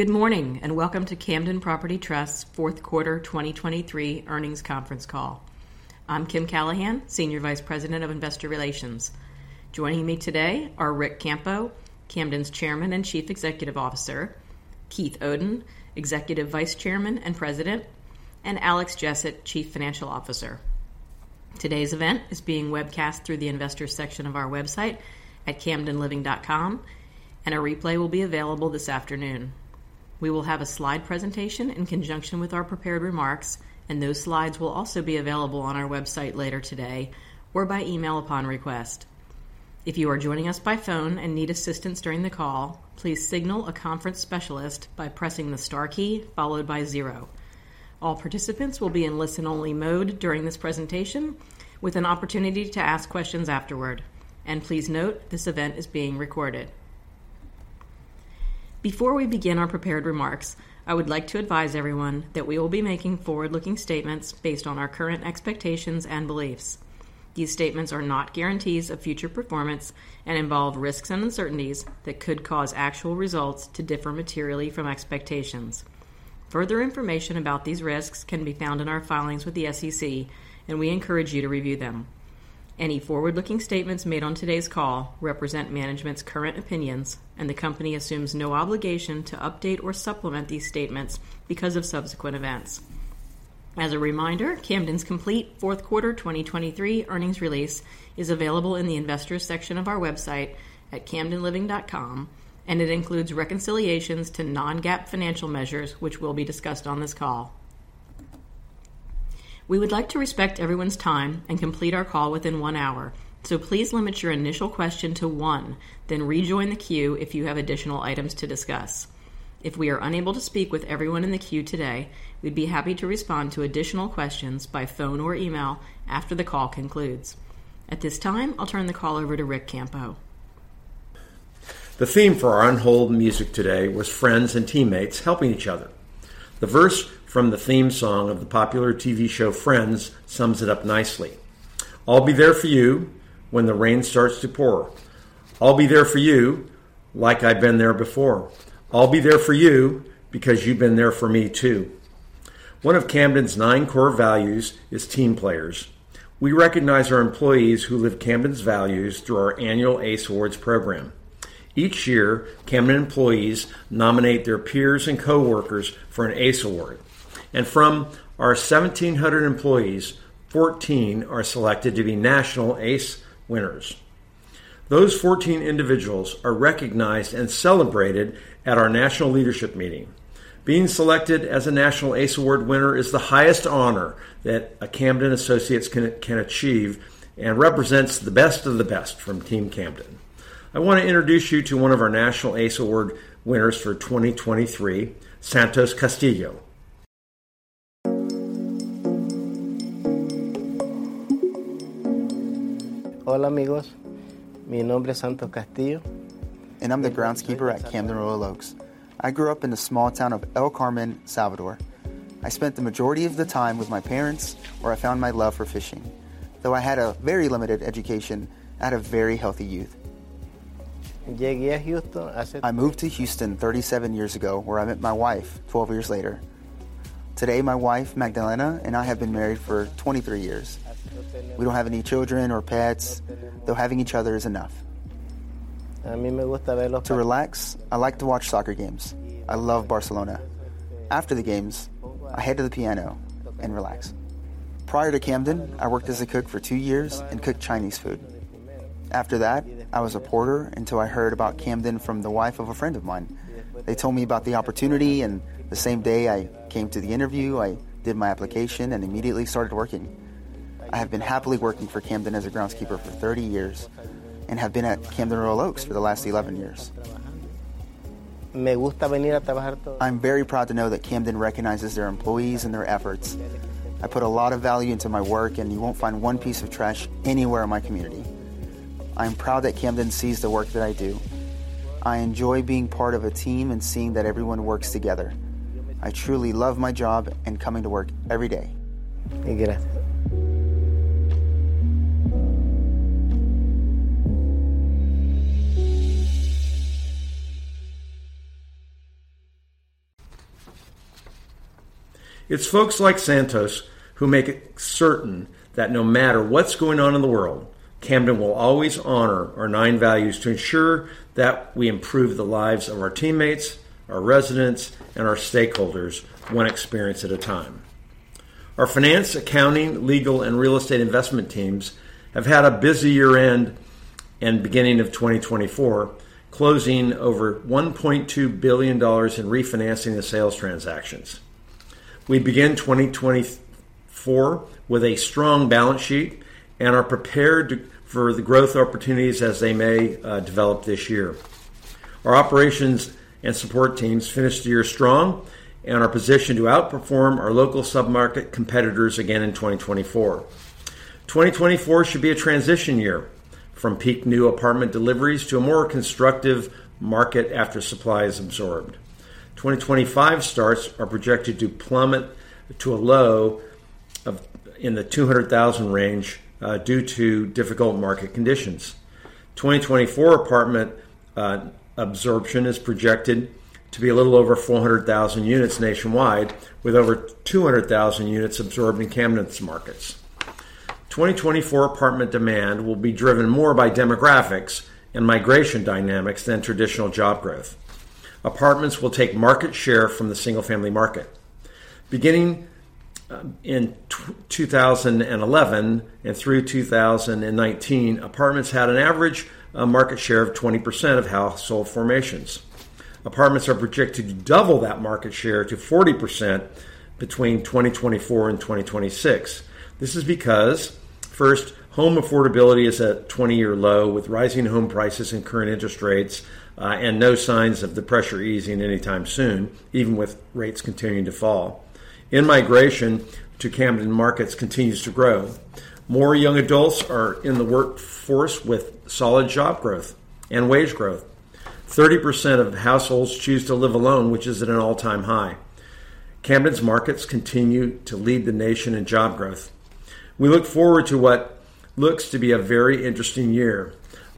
Good morning, and welcome to Camden Property Trust's fourth quarter 2023 earnings conference call. I'm Kim Callahan, Senior Vice President of Investor Relations. Joining me today are Ric Campo, Camden's Chairman and Chief Executive Officer; Keith Oden, Executive Vice Chairman and President; and Alex Jessett, Chief Financial Officer. Today's event is being webcast through the investors section of our website at camdenliving.com, and a replay will be available this afternoon. We will have a slide presentation in conjunction with our prepared remarks, and those slides will also be available on our website later today or by email upon request. If you are joining us by phone and need assistance during the call, please signal a conference specialist by pressing the star key followed by zero. All participants will be in listen-only mode during this presentation, with an opportunity to ask questions afterward. Please note, this event is being recorded. Before we begin our prepared remarks, I would like to advise everyone that we will be making forward-looking statements based on our current expectations and beliefs. These statements are not guarantees of future performance and involve risks and uncertainties that could cause actual results to differ materially from expectations. Further information about these risks can be found in our filings with the SEC, and we encourage you to review them. Any forward-looking statements made on today's call represent management's current opinions, and the company assumes no obligation to update or supplement these statements because of subsequent events. As a reminder, Camden's complete fourth quarter 2023 earnings release is available in the investors section of our website at camdenliving.com, and it includes reconciliations to non-GAAP financial measures, which will be discussed on this call. We would like to respect everyone's time and complete our call within one hour. So please limit your initial question to one, then rejoin the queue if you have additional items to discuss. If we are unable to speak with everyone in the queue today, we'd be happy to respond to additional questions by phone or email after the call concludes. At this time, I'll turn the call over to Ric Campo. The theme for our on-hold music today was friends and teammates helping each other. The verse from the theme song of the popular TV show Friends sums it up nicely: "I'll be there for you when the rain starts to pour. I'll be there for you like I've been there before. I'll be there for you because you've been there for me, too." One of Camden's nine core values is team players. We recognize our employees who live Camden's values through our annual ACE Awards program. Each year, Camden employees nominate their peers and coworkers for an ACE Award, and from our 1,700 employees, 14 are selected to be national ACE winners. Those 14 individuals are recognized and celebrated at our national leadership meeting. Being selected as a National ACE Award winner is the highest honor that a Camden associate can achieve and represents the best of the best from Team Camden. I want to introduce you to one of our National ACE Award winners for 2023, Santos Castillo. Hola, amigos. Mi nombre es Santos Castillo, and I'm the groundskeeper at Camden Royal Oaks. I grew up in the small town of El Carmen, El Salvador. I spent the majority of the time with my parents, where I found my love for fishing. Though I had a very limited education, I had a very healthy youth. I moved to Houston 37 years ago, where I met my wife 12 years later. Today, my wife Magdalena, and I have been married for 23 years. We don't have any children or pets, though having each other is enough. To relax, I like to watch soccer games. I love Barcelona. After the games, I head to the piano and relax. Prior to Camden, I worked as a cook for 2 years and cooked Chinese food. After that, I was a porter until I heard about Camden from the wife of a friend of mine. They told me about the opportunity, and the same day I came to the interview, I did my application and immediately started working. I have been happily working for Camden as a groundskeeper for 30 years and have been at Camden Royal Oaks for the last 11 years. I'm very proud to know that Camden recognizes their employees and their efforts. I put a lot of value into my work, and you won't find one piece of trash anywhere in my community. I am proud that Camden sees the work that I do. I enjoy being part of a team and seeing that everyone works together. I truly love my job and coming to work every day. It's folks like Santos who make it certain that no matter what's going on in the world, Camden will always honor our nine values to ensure that we improve the lives of our teammates, our residents, and our stakeholders, one experience at a time. Our finance, accounting, legal, and real estate investment teams have had a busy year-end and beginning of 2024, closing over $1.2 billion in refinancing the sales transactions. We begin 2024 with a strong balance sheet and are prepared for the growth opportunities as they may develop this year. Our operations and support teams finished the year strong and are positioned to outperform our local submarket competitors again in 2024. 2024 should be a transition year from peak new apartment deliveries to a more constructive market after supply is absorbed. 2025 starts are projected to plummet to a low of, in the 200,000 range, due to difficult market conditions. 2024 apartment absorption is projected to be a little over 400,000 units nationwide, with over 200,000 units absorbed in Camden's markets. 2024 apartment demand will be driven more by demographics and migration dynamics than traditional job growth. Apartments will take market share from the single-family market. Beginning, in 2011 and through 2019, apartments had an average market share of 20% of household formations. Apartments are projected to double that market share to 40% between 2024 and 2026. This is because, first, home affordability is at a 20-year low, with rising home prices and current interest rates, and no signs of the pressure easing anytime soon, even with rates continuing to fall. In-migration to Camden markets continues to grow. More young adults are in the workforce with solid job growth and wage growth. 30% of households choose to live alone, which is at an all-time high. Camden's markets continue to lead the nation in job growth. We look forward to what looks to be a very interesting year.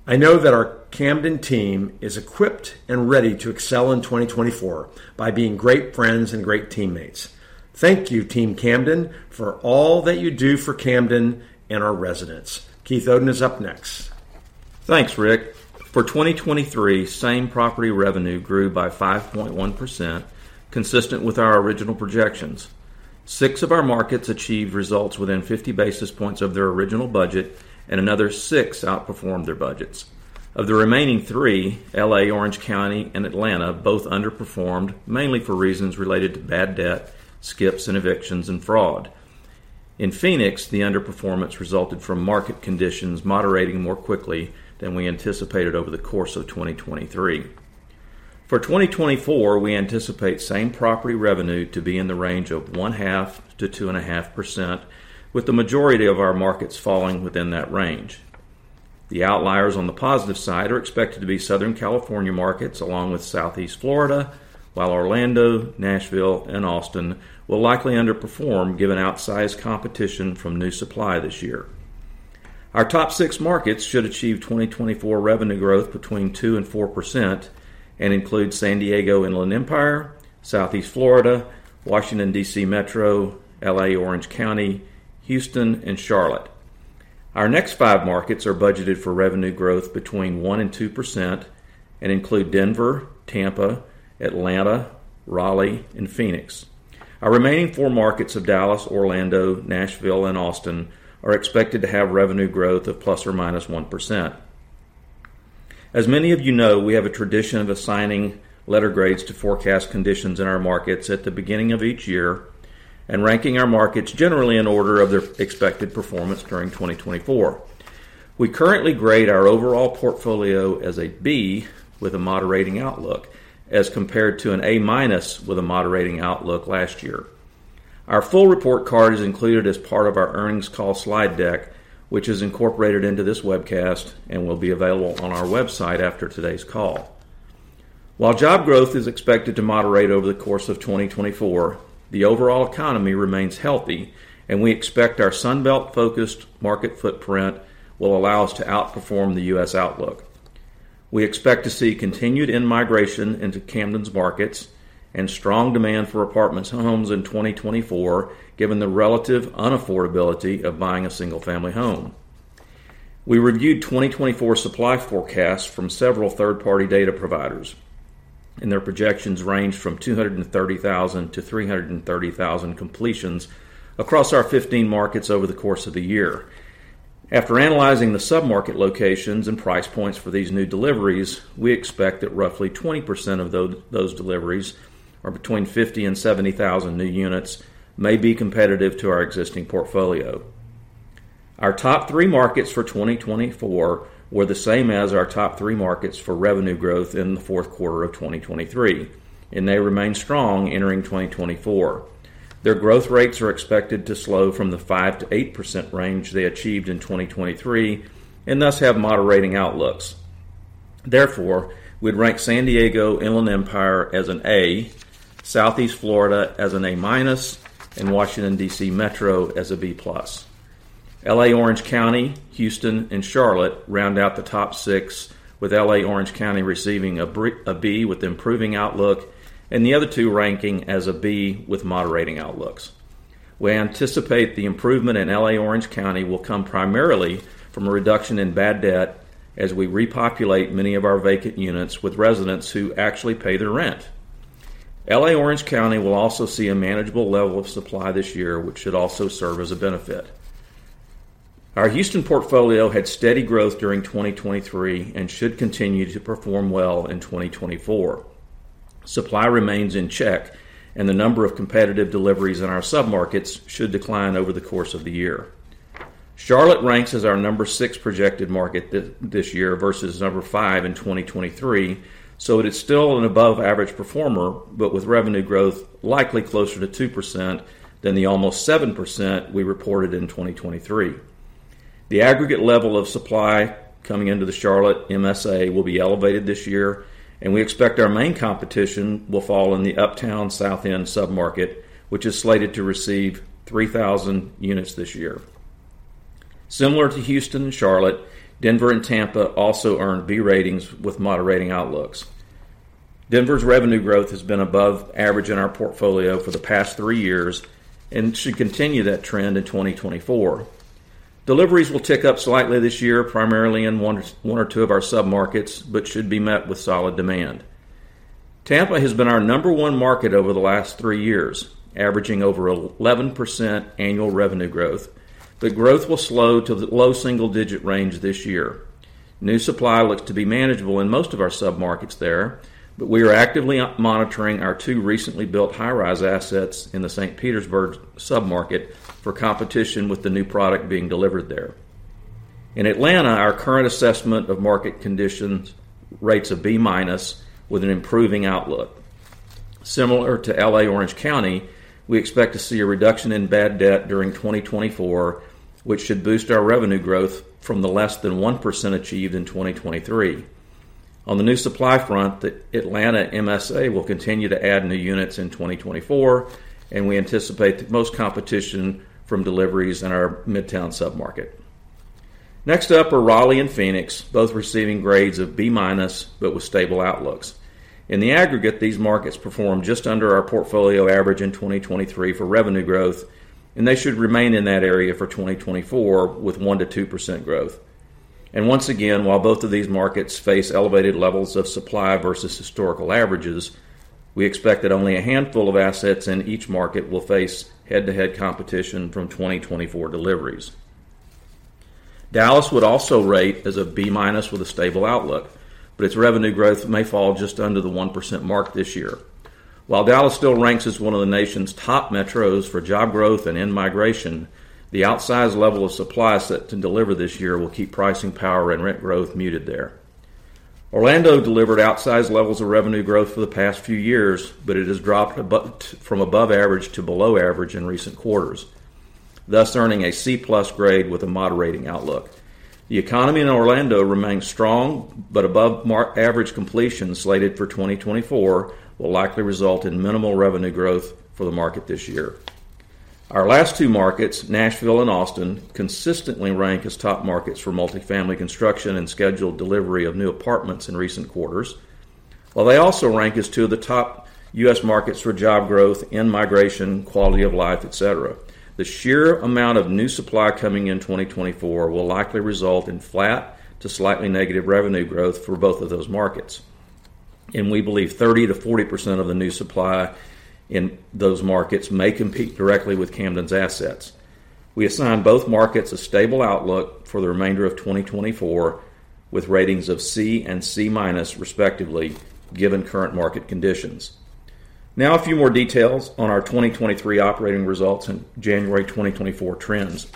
I know that our Camden team is equipped and ready to excel in 2024 by being great friends and great teammates. Thank you, Team Camden, for all that you do for Camden and our residents. Keith Oden is up next. Thanks, Ric. For 2023, same-property revenue grew by 5.1%, consistent with our original projections. 6 of our markets achieved results within 50 basis points of their original budget, and another 6 outperformed their budgets. Of the remaining 3, L.A., Orange County, and Atlanta both underperformed, mainly for reasons related to bad debt, skips and evictions, and fraud. In Phoenix, the underperformance resulted from market conditions moderating more quickly than we anticipated over the course of 2023. For 2024, we anticipate same-property revenue to be in the range of 0.5%-2.5%, with the majority of our markets falling within that range. The outliers on the positive side are expected to be Southern California markets, along with Southeast Florida, while Orlando, Nashville, and Austin will likely underperform, given outsized competition from new supply this year. Our top six markets should achieve 2024 revenue growth between 2% and 4% and include San Diego/Inland Empire, Southeast Florida, Washington, D.C. Metro, L.A., Orange County, Houston, and Charlotte. Our next five markets are budgeted for revenue growth between 1% and 2% and include Denver, Tampa, Atlanta, Raleigh, and Phoenix. Our remaining four markets of Dallas, Orlando, Nashville, and Austin are expected to have revenue growth of ±1%. As many of you know, we have a tradition of assigning letter grades to forecast conditions in our markets at the beginning of each year and ranking our markets generally in order of their expected performance during 2024. We currently grade our overall portfolio as a B with a moderating outlook, as compared to an A- with a moderating outlook last year. Our full report card is included as part of our earnings call slide deck, which is incorporated into this webcast and will be available on our website after today's call. While job growth is expected to moderate over the course of 2024, the overall economy remains healthy, and we expect our Sun Belt-focused market footprint will allow us to outperform the U.S. outlook. We expect to see continued in-migration into Camden's markets and strong demand for apartments and homes in 2024, given the relative unaffordability of buying a single-family home. We reviewed 2024 supply forecasts from several third-party data providers, and their projections range from 230,000 to 330,000 completions across our 15 markets over the course of the year. After analyzing the submarket locations and price points for these new deliveries, we expect that roughly 20% of those deliveries, or between 50,000 and 70,000 new units, may be competitive to our existing portfolio. Our top three markets for 2024 were the same as our top three markets for revenue growth in the fourth quarter of 2023, and they remain strong entering 2024. Their growth rates are expected to slow from the 5%-8% range they achieved in 2023 and thus have moderating outlooks. Therefore, we'd rank San Diego / Inland Empire as an A, Southeast Florida as an A-minus, and Washington, D.C. Metro as a B+. L.A., Orange County, Houston, and Charlotte round out the top six, with L.A., Orange County receiving a B with improving outlook, and the other two ranking as a B with moderating outlooks. We anticipate the improvement in L.A., Orange County will come primarily from a reduction in bad debt as we repopulate many of our vacant units with residents who actually pay their rent. L.A., Orange County will also see a manageable level of supply this year, which should also serve as a benefit. Our Houston portfolio had steady growth during 2023 and should continue to perform well in 2024. Supply remains in check, and the number of competitive deliveries in our submarkets should decline over the course of the year. Charlotte ranks as our number 6 projected market this year versus number 5 in 2023, so it is still an above-average performer, but with revenue growth likely closer to 2% than the almost 7% we reported in 2023. The aggregate level of supply coming into the Charlotte MSA will be elevated this year, and we expect our main competition will fall in the Uptown / South End submarket, which is slated to receive 3,000 units this year. Similar to Houston and Charlotte, Denver and Tampa also earned B ratings with moderating outlooks. Denver's revenue growth has been above average in our portfolio for the past 3 years and should continue that trend in 2024. Deliveries will tick up slightly this year, primarily in 1 or 2 of our submarkets, but should be met with solid demand. Tampa has been our number one market over the last 3 years, averaging over 11% annual revenue growth. The growth will slow to the low single-digit range this year. New supply looks to be manageable in most of our submarkets there, but we are actively monitoring our two recently built high-rise assets in the St. Petersburg submarket for competition with the new product being delivered there. In Atlanta, our current assessment of market conditions rates a B- with an improving outlook. Similar to L.A./Orange County, we expect to see a reduction in bad debt during 2024, which should boost our revenue growth from the less than 1% achieved in 2023. On the new supply front, the Atlanta MSA will continue to add new units in 2024, and we anticipate the most competition from deliveries in our Midtown submarket. Next up are Raleigh and Phoenix, both receiving grades of B- but with stable outlooks. In the aggregate, these markets performed just under our portfolio average in 2023 for revenue growth, and they should remain in that area for 2024, with 1%-2% growth. Once again, while both of these markets face elevated levels of supply versus historical averages, we expect that only a handful of assets in each market will face head-to-head competition from 2024 deliveries. Dallas would also rate as a B- with a stable outlook, but its revenue growth may fall just under the 1% mark this year. While Dallas still ranks as one of the nation's top metros for job growth and in-migration, the outsized level of supply set to deliver this year will keep pricing power and rent growth muted there. Orlando delivered outsized levels of revenue growth for the past few years, but it has dropped from above average to below average in recent quarters, thus earning a C+ grade with a moderating outlook. The economy in Orlando remains strong, but above average completion slated for 2024 will likely result in minimal revenue growth for the market this year. Our last two markets, Nashville and Austin, consistently rank as top markets for multifamily construction and scheduled delivery of new apartments in recent quarters, while they also rank as two of the top U.S. markets for job growth, in-migration, quality of life, et cetera. The sheer amount of new supply coming in 2024 will likely result in flat to slightly negative revenue growth for both of those markets, and we believe 30%-40% of the new supply in those markets may compete directly with Camden's assets. We assign both markets a stable outlook for the remainder of 2024, with ratings of C and C-, respectively, given current market conditions. Now, a few more details on our 2023 operating results and January 2024 trends.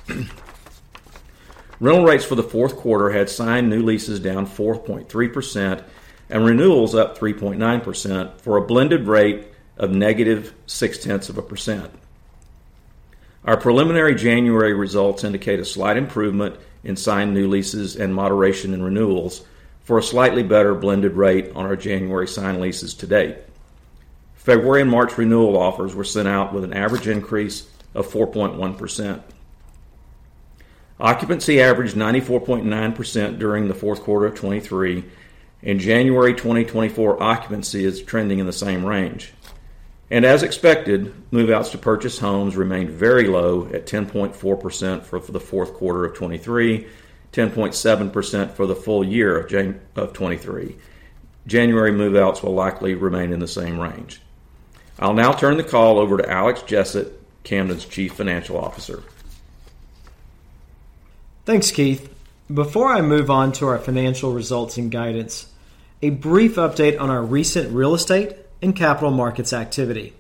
Rental rates for the fourth quarter had signed new leases down 4.3% and renewals up 3.9%, for a blended rate of -0.6%. Our preliminary January results indicate a slight improvement in signed new leases and moderation in renewals for a slightly better blended rate on our January signed leases to date. February and March renewal offers were sent out with an average increase of 4.1%. Occupancy averaged 94.9% during the fourth quarter of 2023. In January 2024, occupancy is trending in the same range. And as expected, move-outs to purchase homes remained very low at 10.4% for the fourth quarter of 2023, 10.7% for the full year of 2023. January move-outs will likely remain in the same range. I'll now turn the call over to Alex Jessett, Camden's Chief Financial Officer. Thanks, Keith. Before I move on to our financial results and guidance, a brief update on our recent real estate and capital markets activity.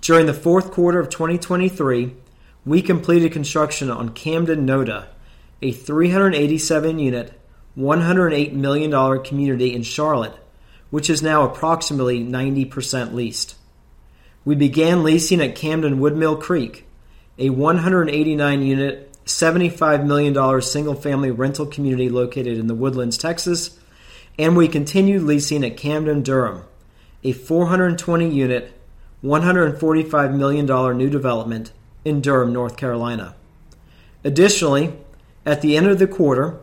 During the fourth quarter of 2023, we completed construction on Camden NoDa, a 387-unit, $108 million community in Charlotte, which is now approximately 90% leased. We began leasing at Camden Woodmill Creek, a 189-unit, $75 million single-family rental community located in The Woodlands, Texas, and we continued leasing at Camden Durham, a 420-unit, $145 million new development in Durham, North Carolina. Additionally, at the end of the quarter,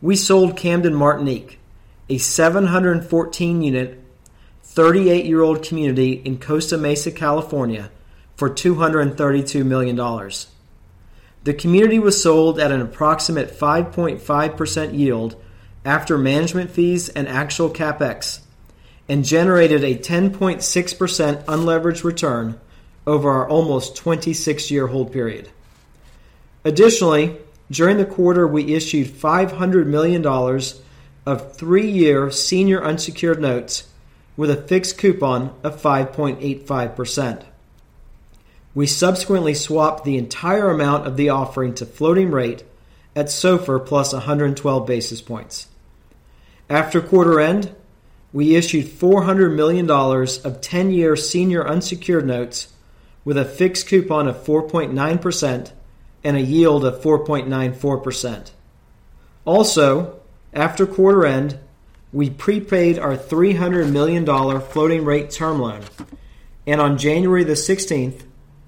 we sold Camden Martinique, a 714-unit, 38-year-old community in Costa Mesa, California, for $232 million. The community was sold at an approximate 5.5% yield after management fees and actual CapEx and generated a 10.6% unlevered return over our almost 26-year hold period. Additionally, during the quarter, we issued $500 million of 3-year senior unsecured notes with a fixed coupon of 5.85%. We subsequently swapped the entire amount of the offering to floating rate at SOFR plus 112 basis points. After quarter end, we issued $400 million of 10-year senior unsecured notes with a fixed coupon of 4.9% and a yield of 4.94%. Also, after quarter end, we prepaid our $300 million floating rate term loan, and on January the 16th,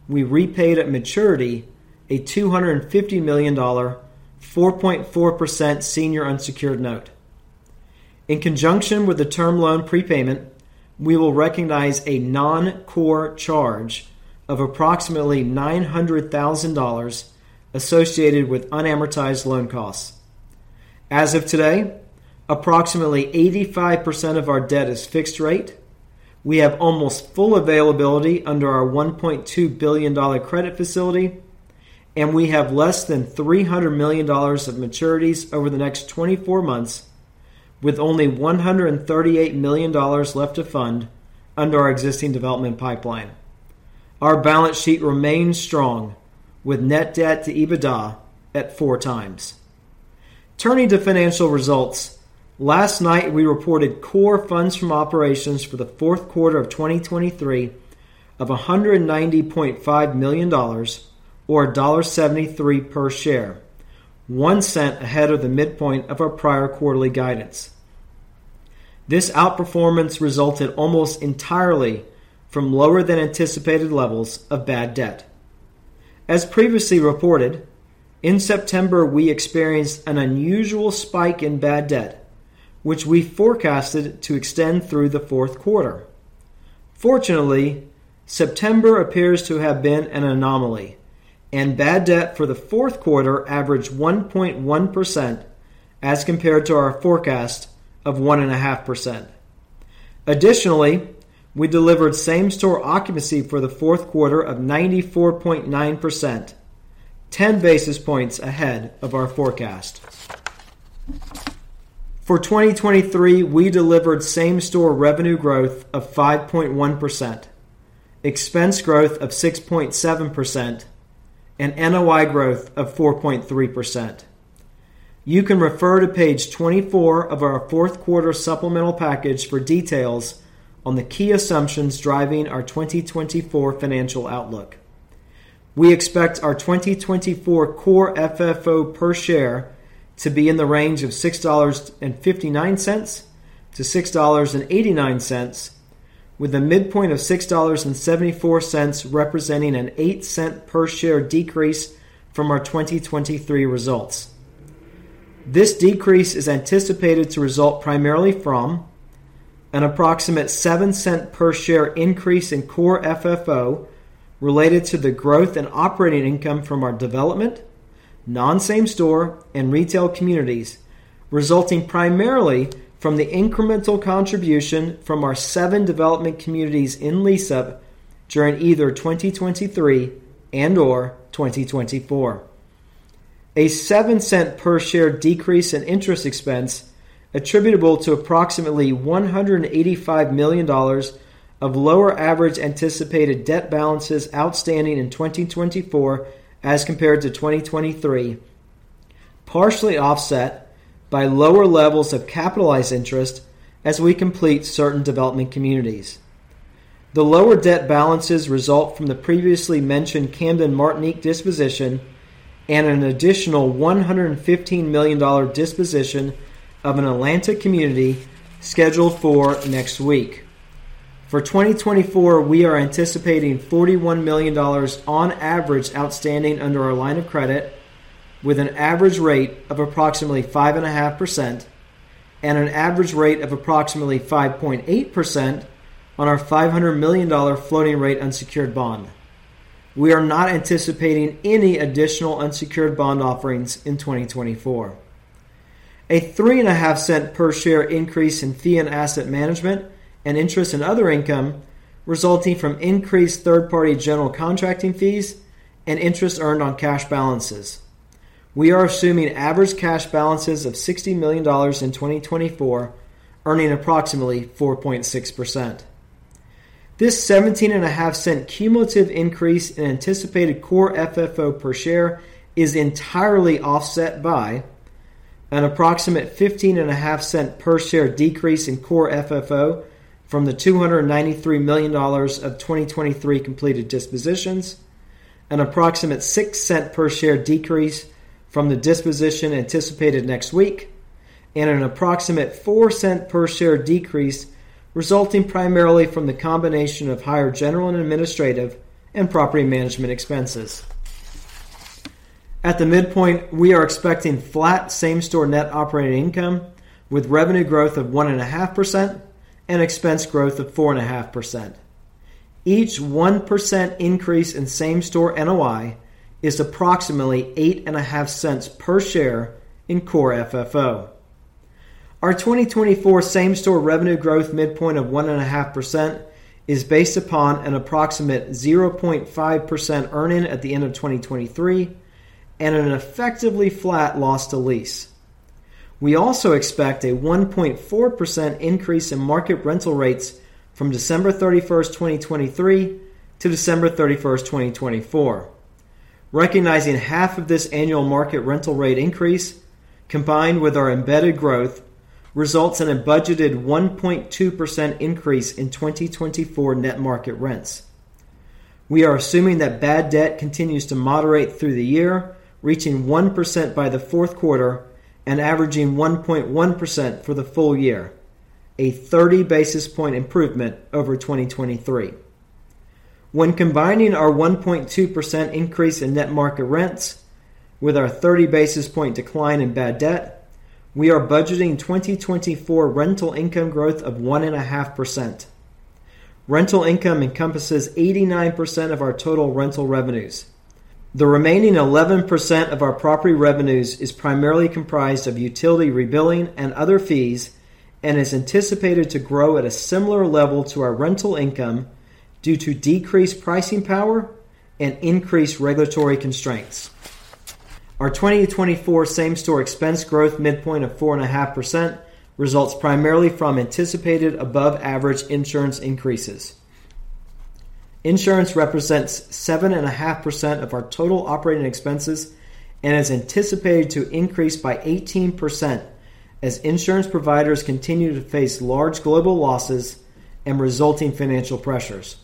we repaid at maturity a $250 million, 4.4% senior unsecured note. In conjunction with the term loan prepayment, we will recognize a non-core charge of approximately $900,000 associated with unamortized loan costs. As of today, approximately 85% of our debt is fixed rate. We have almost full availability under our $1.2 billion credit facility, and we have less than $300 million of maturities over the next 24 months, with only $138 million left to fund under our existing development pipeline. Our balance sheet remains strong, with Net Debt to EBITDA at 4x. Turning to financial results, last night, we reported core funds from operations for the fourth quarter of 2023 of $190.5 million or $1.73 per share, $0.01 ahead of the midpoint of our prior quarterly guidance. This outperformance resulted almost entirely from lower than anticipated levels of bad debt. As previously reported, in September, we experienced an unusual spike in bad debt, which we forecasted to extend through the fourth quarter. Fortunately, September appears to have been an anomaly, and bad debt for the fourth quarter averaged 1.1% as compared to our forecast of 1.5%. Additionally, we delivered same-store occupancy for the fourth quarter of 94.9%, 10 basis points ahead of our forecast. For 2023, we delivered same-store revenue growth of 5.1%, expense growth of 6.7%, and NOI growth of 4.3%. You can refer to page 24 of our fourth quarter supplemental package for details on the key assumptions driving our 2024 financial outlook. We expect our 2024 Core FFO per share to be in the range of $6.59-$6.89, with a midpoint of $6.74, representing an $0.08 per share decrease from our 2023 results. This decrease is anticipated to result primarily from an approximate $0.07 per share increase in Core FFO related to the growth in operating income from our development, non-same-store, and retail communities, resulting primarily from the incremental contribution from our 7 development communities in lease-up during either 2023 and/or 2024. A $0.07 per share decrease in interest expense attributable to approximately $185 million of lower average anticipated debt balances outstanding in 2024 as compared to 2023, partially offset by lower levels of capitalized interest as we complete certain development communities. The lower debt balances result from the previously mentioned Camden Martinique disposition and an additional $115 million disposition of an Atlanta community scheduled for next week. For 2024, we are anticipating $41 million on average, outstanding under our line of credit, with an average rate of approximately 5.5% and an average rate of approximately 5.8% on our $500 million floating rate unsecured bond. We are not anticipating any additional unsecured bond offerings in 2024. A $0.035 per share increase in fee and asset management and interest in other income resulting from increased third-party general contracting fees and interest earned on cash balances. We are assuming average cash balances of $60 million in 2024, earning approximately 4.6%. This $0.175 cumulative increase in anticipated Core FFO per share is entirely offset by an approximate $0.155 per share decrease in Core FFO from the $293 million of 2023 completed dispositions, an approximate $0.06 per share decrease from the disposition anticipated next week, and an approximate $0.04 per share decrease, resulting primarily from the combination of higher general and administrative and property management expenses. At the midpoint, we are expecting flat same-store net operating income, with revenue growth of 1.5% and expense growth of 4.5%. Each 1% increase in same-store NOI is approximately $0.085 per share in Core FFO. Our 2024 same-store revenue growth midpoint of 1.5% is based upon an approximate 0.5% earn-in at the end of 2023 and an effectively flat loss to lease. We also expect a 1.4% increase in market rental rates from December 31, 2023, to December 31, 2024.... recognizing half of this annual market rental rate increase, combined with our embedded growth, results in a budgeted 1.2% increase in 2024 net market rents. We are assuming that bad debt continues to moderate through the year, reaching 1% by the fourth quarter and averaging 1.1% for the full year, a thirty basis point improvement over 2023. When combining our 1.2% increase in net market rents with our 30 basis point decline in bad debt, we are budgeting 2024 rental income growth of 1.5%. Rental income encompasses 89% of our total rental revenues. The remaining 11% of our property revenues is primarily comprised of utility rebilling and other fees, and is anticipated to grow at a similar level to our rental income due to decreased pricing power and increased regulatory constraints. Our 2024 same-store expense growth midpoint of 4.5% results primarily from anticipated above-average insurance increases. Insurance represents 7.5% of our total operating expenses and is anticipated to increase by 18%, as insurance providers continue to face large global losses and resulting financial pressures.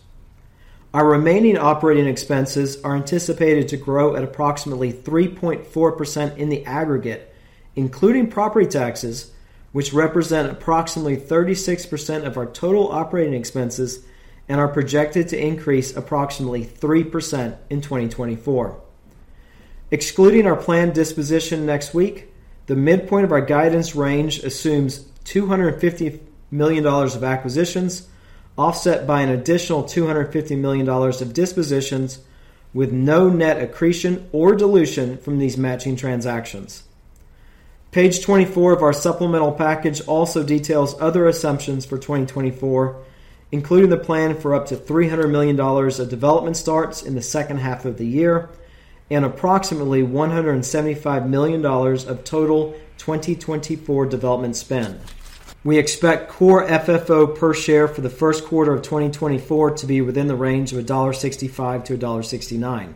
Our remaining operating expenses are anticipated to grow at approximately 3.4% in the aggregate, including property taxes, which represent approximately 36% of our total operating expenses and are projected to increase approximately 3% in 2024. Excluding our planned disposition next week, the midpoint of our guidance range assumes $250 million of acquisitions, offset by an additional $250 million of dispositions, with no net accretion or dilution from these matching transactions. Page 24 of our supplemental package also details other assumptions for 2024, including the plan for up to $300 million of development starts in the second half of the year and approximately $175 million of total 2024 development spend. We expect Core FFO per share for the first quarter of 2024 to be within the range of $1.65-$1.69.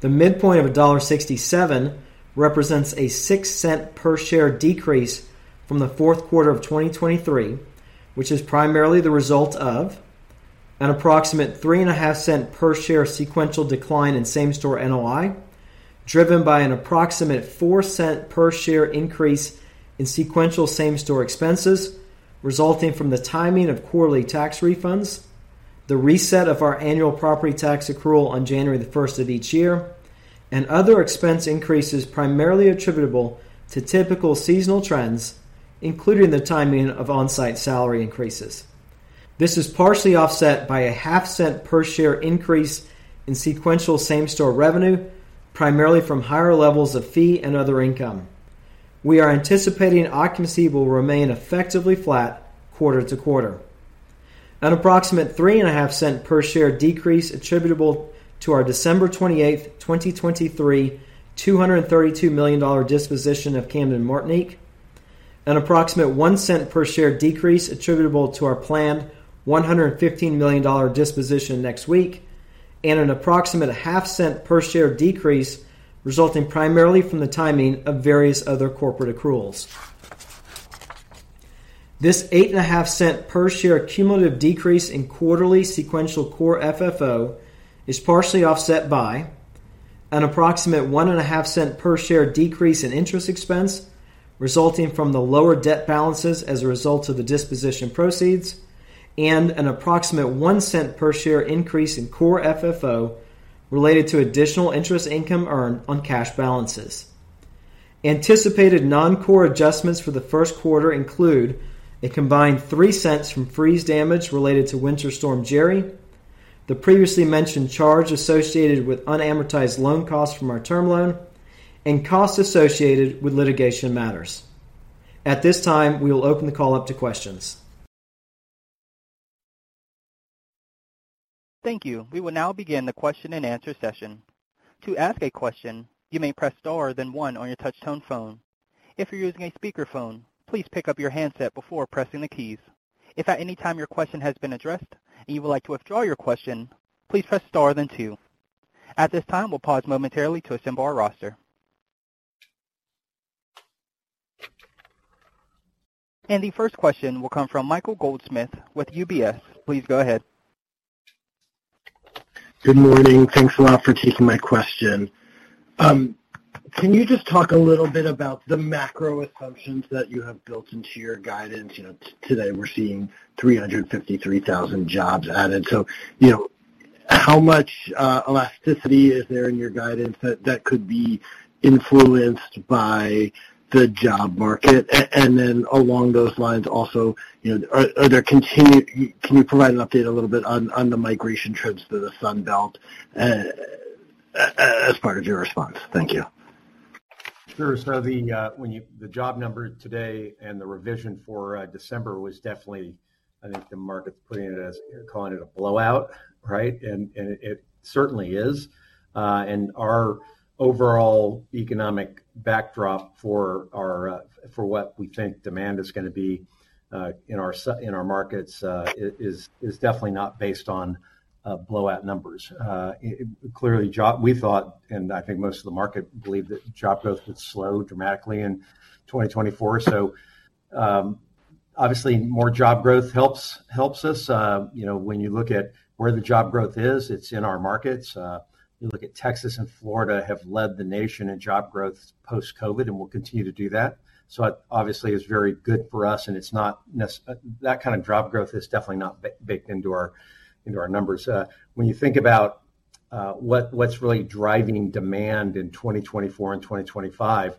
The midpoint of $1.67 represents a $0.06 per share decrease from the fourth quarter of 2023, which is primarily the result of an approximate $0.035 per share sequential decline in same-store NOI, driven by an approximate $0.04 per share increase in sequential same-store expenses, resulting from the timing of quarterly tax refunds, the reset of our annual property tax accrual on January the first of each year, and other expense increases primarily attributable to typical seasonal trends, including the timing of on-site salary increases. This is partially offset by a $0.005 per share increase in sequential same-store revenue, primarily from higher levels of fee and other income. We are anticipating occupancy will remain effectively flat quarter-to-quarter. An approximate $0.035 per share decrease attributable to our December 28, 2023, $232 million disposition of Camden Martinique. An approximate $0.01 per share decrease attributable to our planned $115 million disposition next week, and an approximate $0.005 per share decrease, resulting primarily from the timing of various other corporate accruals. This $0.085 per share cumulative decrease in quarterly sequential core FFO is partially offset by an approximate $0.015 per share decrease in interest expense, resulting from the lower debt balances as a result of the disposition proceeds, and an approximate $0.01 per share increase in core FFO related to additional interest income earned on cash balances. Anticipated non-core adjustments for the first quarter include a combined $0.03 from freeze damage related to Winter Storm Gerri, the previously mentioned charge associated with unamortized loan costs from our term loan, and costs associated with litigation matters. At this time, we will open the call up to questions. Thank you. We will now begin the question-and-answer session. To ask a question, you may press star then one on your touchtone phone. If you're using a speakerphone, please pick up your handset before pressing the keys. If at any time your question has been addressed and you would like to withdraw your question, please press star then two. At this time, we'll pause momentarily to assemble our roster. The first question will come from Michael Goldsmith with UBS. Please go ahead. Good morning. Thanks a lot for taking my question. Can you just talk a little bit about the macro assumptions that you have built into your guidance? You know, today, we're seeing 353,000 jobs added. So, you know, how much elasticity is there in your guidance that could be influenced by the job market? And then along those lines also, you know, can you provide an update a little bit on the migration trends to the Sun Belt, as part of your response? Thank you. Sure. So the job number today and the revision for December was definitely, I think the market's putting it as calling it a blowout, right? And it certainly is. And our overall economic backdrop for what we think demand is gonna be in our markets is definitely not based on blowout numbers. Clearly, job growth we thought, and I think most of the market believed, that job growth would slow dramatically in 2024. So obviously, more job growth helps us. You know, when you look at where the job growth is, it's in our markets. You look at Texas and Florida have led the nation in job growth post-COVID, and will continue to do that. So that obviously is very good for us, and it's not that kind of job growth is definitely not baked into our, into our numbers. When you think about what what's really driving demand in 2024 and 2025,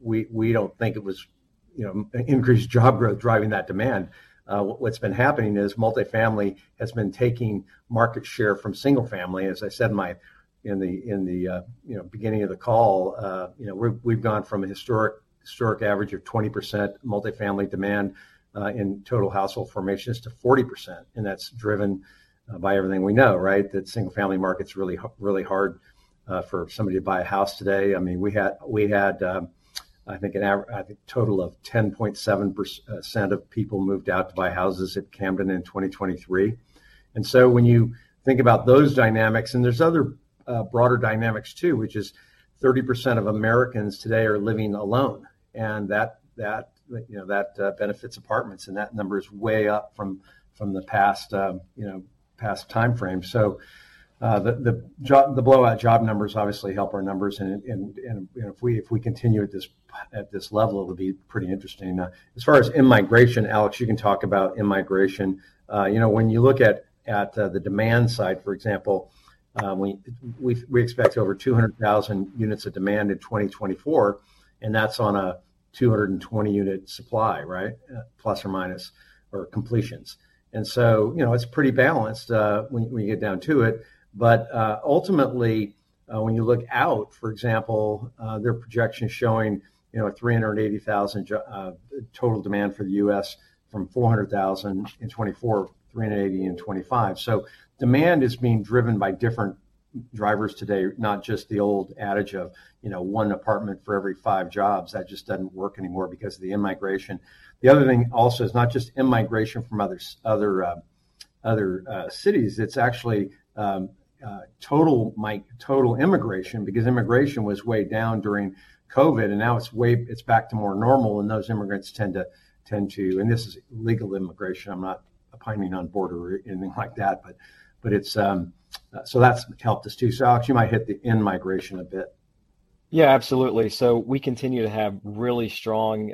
we don't think it was, you know, increased job growth driving that demand. What's been happening is multifamily has been taking market share from single family. As I said, in the, uh, you know, beginning of the call, uh, you know, we've gone from a historic average of 20% multifamily demand in total household formations to 40%, and that's driven by everything we know, right? That single family market's really hard for somebody to buy a house today. I mean, we had I think a total of 10.7% of people moved out to buy houses at Camden in 2023. And so when you think about those dynamics, and there's other broader dynamics too, which is 30% of Americans today are living alone, and that, that, you know, that benefits apartments, and that number is way up from, from the past, you know, past time frame. So, the blowout job numbers obviously help our numbers, and if we continue at this level, it'll be pretty interesting. As far as in-migration, Alex, you can talk about in-migration. You know, when you look at the demand side, for example, we expect over 200,000 units of demand in 2024, and that's on a 220-unit supply, right? Plus or minus, or completions. And so, you know, it's pretty balanced when you get down to it. But ultimately, when you look out, for example, their projection is showing, you know, 380,000 total demand for the U.S., from 400,000 in 2024, 380,000 in 2025. So demand is being driven by different drivers today, not just the old adage of, you know, one apartment for every five jobs. That just doesn't work anymore because of the in-migration. The other thing also, it's not just in-migration from other cities. It's actually total immigration, because immigration was way down during COVID, and now it's way. It's back to more normal, and those immigrants tend to—and this is legal immigration. I'm not opining on border or anything like that, but it's. So that's helped us too. So Alex, you might hit the in-migration a bit. Yeah, absolutely. So we continue to have really strong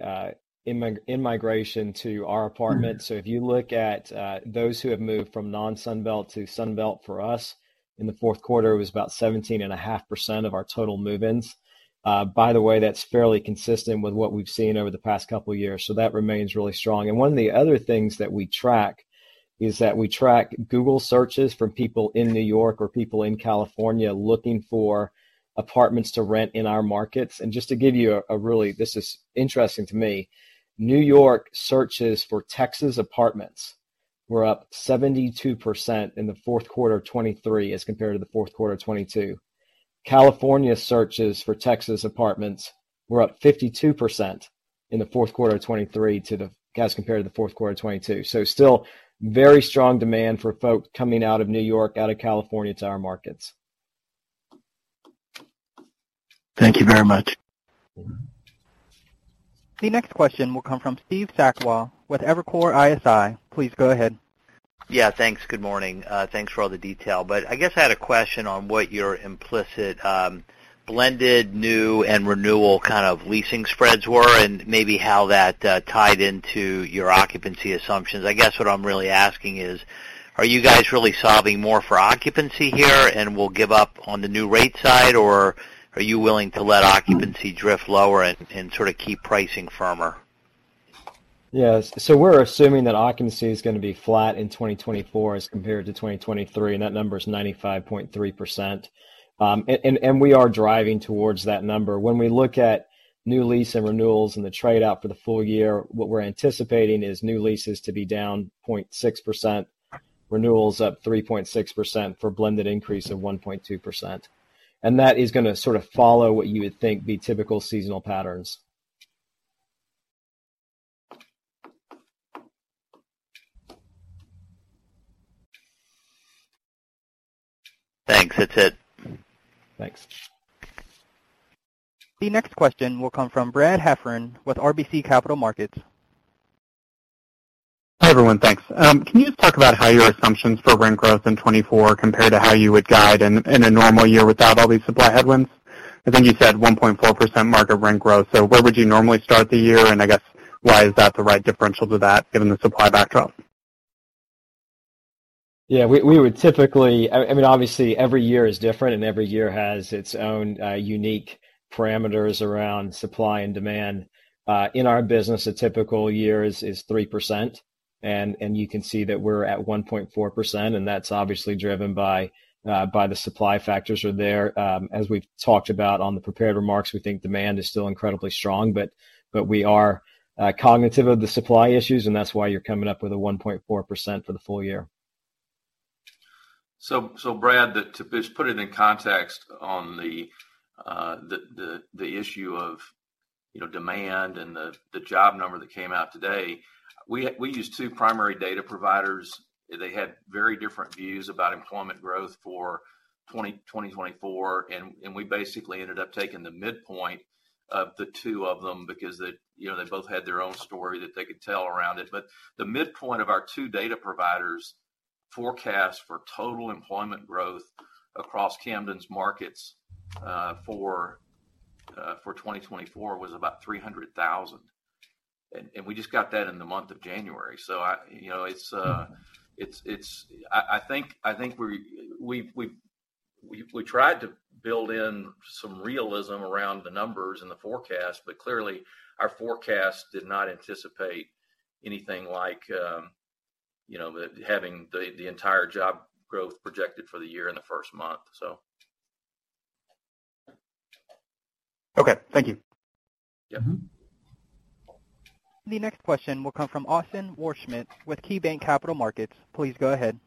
in-migration to our apartments. So if you look at those who have moved from non-Sun Belt to Sun Belt, for us, in the fourth quarter, it was about 17.5% of our total move-ins. By the way, that's fairly consistent with what we've seen over the past couple of years, so that remains really strong. And one of the other things that we track is that we track Google searches from people in New York or people in California looking for apartments to rent in our markets. And just to give you a really... This is interesting to me, New York searches for Texas apartments were up 72% in the fourth quarter of 2023 as compared to the fourth quarter of 2022. California searches for Texas apartments were up 52% in the fourth quarter of 2023 as compared to the fourth quarter of 2022. So still very strong demand for folks coming out of New York, out of California to our markets. Thank you very much. The next question will come from Steve Sakwa with Evercore ISI. Please go ahead. Yeah, thanks. Good morning. Thanks for all the detail. But I guess I had a question on what your implicit, blended, new and renewal kind of leasing spreads were, and maybe how that tied into your occupancy assumptions. I guess what I'm really asking is: Are you guys really solving more for occupancy here and will give up on the new rate side, or are you willing to let occupancy drift lower and sort of keep pricing firmer? Yeah. We're assuming that occupancy is gonna be flat in 2024 as compared to 2023, and that number is 95.3%. And we are driving towards that number. When we look at new lease and renewals and the trade out for the full year, what we're anticipating is new leases to be down 0.6%, renewals up 3.6% for blended increase of 1.2%. That is gonna sort of follow what you would think would be typical seasonal patterns. Thanks, that's it. Thanks. The next question will come from Brad Heffern with RBC Capital Markets. Hi, everyone. Thanks. Can you just talk about how your assumptions for rent growth in 2024 compare to how you would guide in a normal year without all these supply headwinds? I think you said 1.4% market rent growth, so where would you normally start the year? I guess, why is that the right differential to that, given the supply backdrop? Yeah, we would typically... I mean, obviously, every year is different, and every year has its own unique parameters around supply and demand. In our business, a typical year is 3%, and you can see that we're at 1.4%, and that's obviously driven by the supply factors are there. As we've talked about on the prepared remarks, we think demand is still incredibly strong, but we are cognitive of the supply issues, and that's why you're coming up with a 1.4% for the full year. So, Brad, to just put it in context on the issue of, you know, demand and the job number that came out today. We use two primary data providers. They had very different views about employment growth for 2024, and we basically ended up taking the midpoint of the two of them because they, you know, they both had their own story that they could tell around it. But the midpoint of our two data providers' forecast for total employment growth across Camden's markets for 2024 was about 300,000. And we just got that in the month of January. So, you know, it's—I think we tried to build in some realism around the numbers in the forecast, but clearly, our forecast did not anticipate anything like, you know, having the entire job growth projected for the year in the first month, so. Okay, thank you. The next question will come from Austin Wurschmidt with KeyBanc Capital Markets. Please go ahead.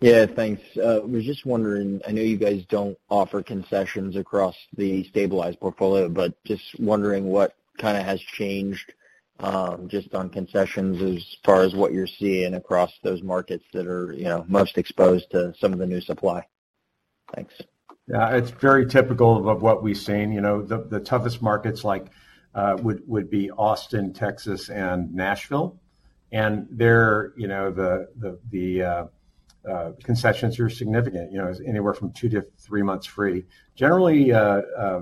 Yeah, thanks. Was just wondering, I know you guys don't offer concessions across the stabilized portfolio, but just wondering what kind of has changed, just on concessions as far as what you're seeing across those markets that are, you know, most exposed to some of the new supply. Thanks. Yeah, it's very typical of what we've seen. You know, the toughest markets like would be Austin, Texas, and Nashville. And there, you know, the concessions are significant. You know, it's anywhere from two to three months free. Generally,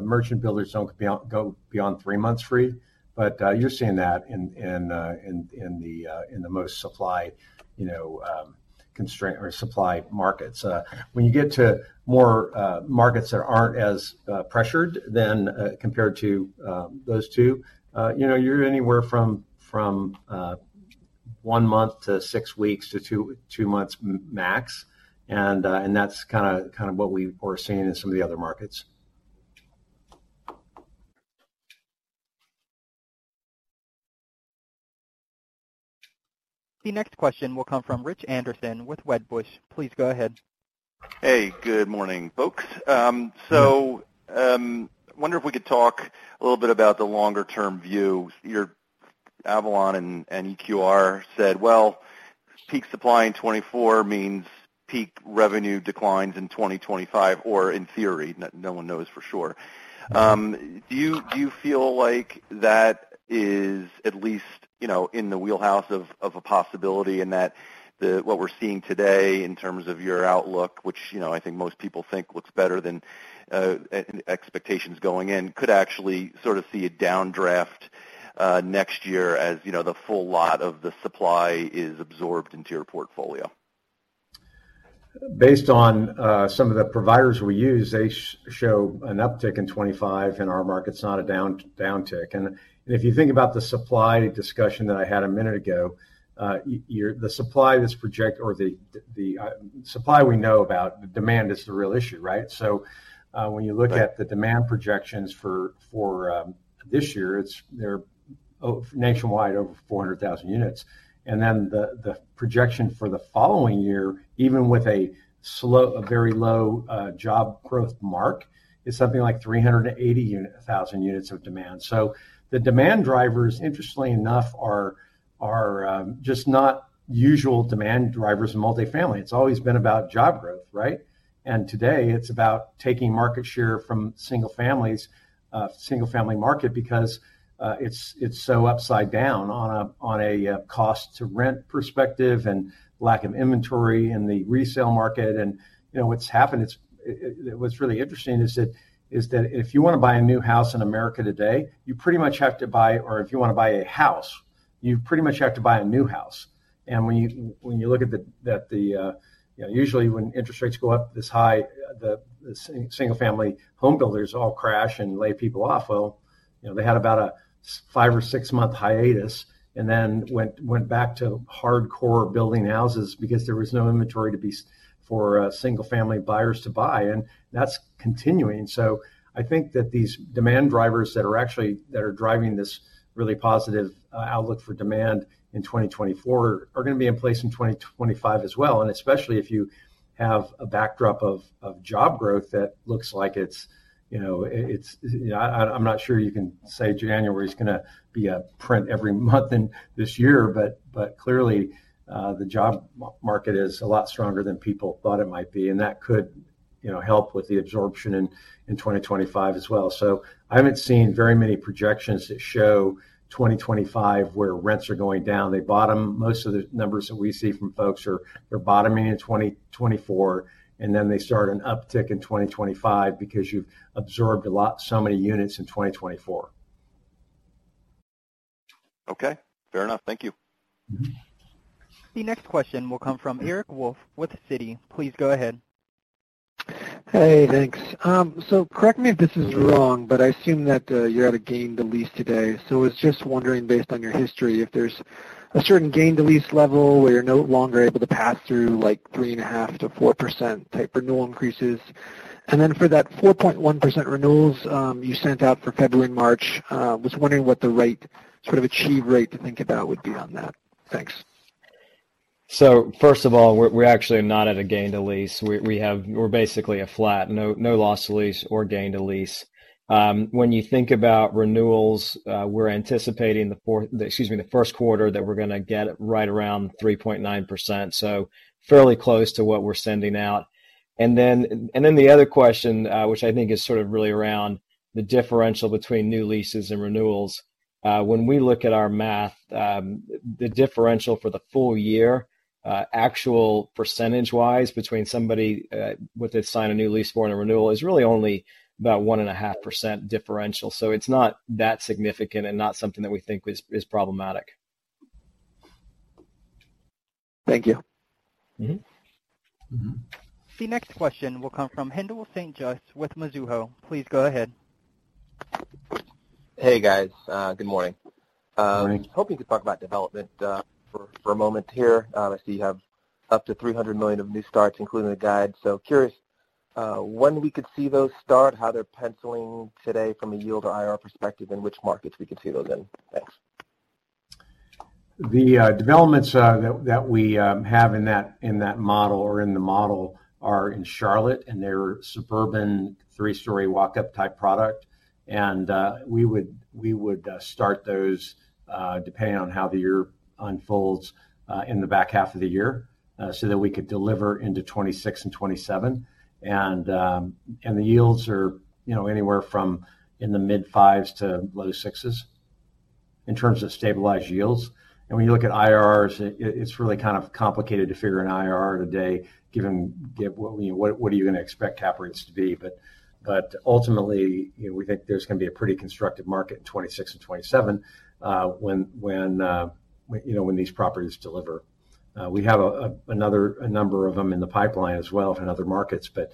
merchant builders don't go beyond three months free, but you're seeing that in the most supply-constrained or supply markets. When you get to more markets that aren't as pressured then, compared to those two, you know, you're anywhere from one month to six weeks to two months max. And that's kind of what we were seeing in some of the other markets. The next question will come from Rich Anderson with Wedbush. Please go ahead. Hey, good morning, folks. So, I wonder if we could talk a little bit about the longer term view. Your Avalon and, and EQR said, "Well, peak supply in 2024 means peak revenue declines in 2025," or in theory, no one knows for sure. Do you, do you feel like that is at least, you know, in the wheelhouse of, of a possibility, and that what we're seeing today in terms of your outlook, which, you know, I think most people think looks better than expectations going in, could actually sort of see a downdraft next year, as, you know, the full lot of the supply is absorbed into your portfolio? Based on some of the providers we use, they show an uptick in 25 in our markets, not a downtick. If you think about the supply discussion that I had a minute ago, the supply we know about, demand is the real issue, right? So, when you look at- Right... the demand projections for this year, it's, they're nationwide, over 400,000 units. And then the projection for the following year, even with a slow, a very low job growth mark, is something like 380,000 units of demand. So the demand drivers, interestingly enough, are just not usual demand drivers in multifamily. It's always been about job growth, right? And today, it's about taking market share from single families, single-family market, because it's so upside down on a cost-to-rent perspective and lack of inventory in the resale market. You know, what's happened—it's what's really interesting is that if you want to buy a new house in America today, you pretty much have to buy—or if you want to buy a house, you pretty much have to buy a new house. And when you look at the, you know, usually when interest rates go up this high, the single-family home builders all crash and lay people off. Well, you know, they had about a five or six-month hiatus and then went back to hardcore building houses because there was no inventory to speak of for single-family buyers to buy, and that's continuing. So I think that these demand drivers that are actually, that are driving this really positive outlook for demand in 2024 are gonna be in place in 2025 as well, and especially if you have a backdrop of job growth that looks like it's, you know, it's... I, I'm not sure you can say January is gonna be a print every month in this year, but clearly the job market is a lot stronger than people thought it might be, and that could, you know, help with the absorption in 2025 as well. So I haven't seen very many projections that show 2025, where rents are going down. They bottom. Most of the numbers that we see from folks are that they're bottoming in 2024, and then they start an uptick in 2025 because you've absorbed a lot, so many units in 2024. Okay, fair enough. Thank you. The next question will come from Eric Wolfe with Citi. Please go ahead. Hey, thanks. So correct me if this is wrong, but I assume that you're at a gain to lease today. So I was just wondering, based on your history, if there's a certain gain-to-lease level where you're no longer able to pass through, like, 3.5%-4% type renewal increases. And then for that 4.1% renewals you sent out for February and March, was wondering what the right, sort of achieve rate to think about would be on that. Thanks. ... So first of all, we're actually not at a gain to lease. We have-- we're basically flat, no loss to lease or gain to lease. When you think about renewals, we're anticipating the first quarter, that we're gonna get it right around 3.9%, so fairly close to what we're sending out. And then the other question, which I think is sort of really around the differential between new leases and renewals. When we look at our math, the differential for the full year, actual percentage-wise between somebody with a signed a new lease for and a renewal is really only about 1.5% differential. So it's not that significant and not something that we think is problematic. Thank you. The next question will come from Haendel St. Juste with Mizuho. Please go ahead. Hey, guys. Good morning. Good morning. Hoping to talk about development, for a moment here. I see you have up to $300 million of new starts, including the guide. So curious, when we could see those start, how they're penciling today from a yield to IR perspective, and which markets we could see those in? Thanks. The developments that we have in that model or in the model are in Charlotte, and they're suburban, 3-story walk-up type product. And we would start those depending on how the year unfolds in the back half of the year so that we could deliver into 2026 and 2027. And the yields are, you know, anywhere from in the mid-5s to low 6s in terms of stabilized yields. And when you look at IRRs, it's really kind of complicated to figure an IRR today, given what, you know, what are you gonna expect cap rates to be. But ultimately, you know, we think there's gonna be a pretty constructive market in 2026 and 2027 when these properties deliver. We have another number of them in the pipeline as well, in other markets, but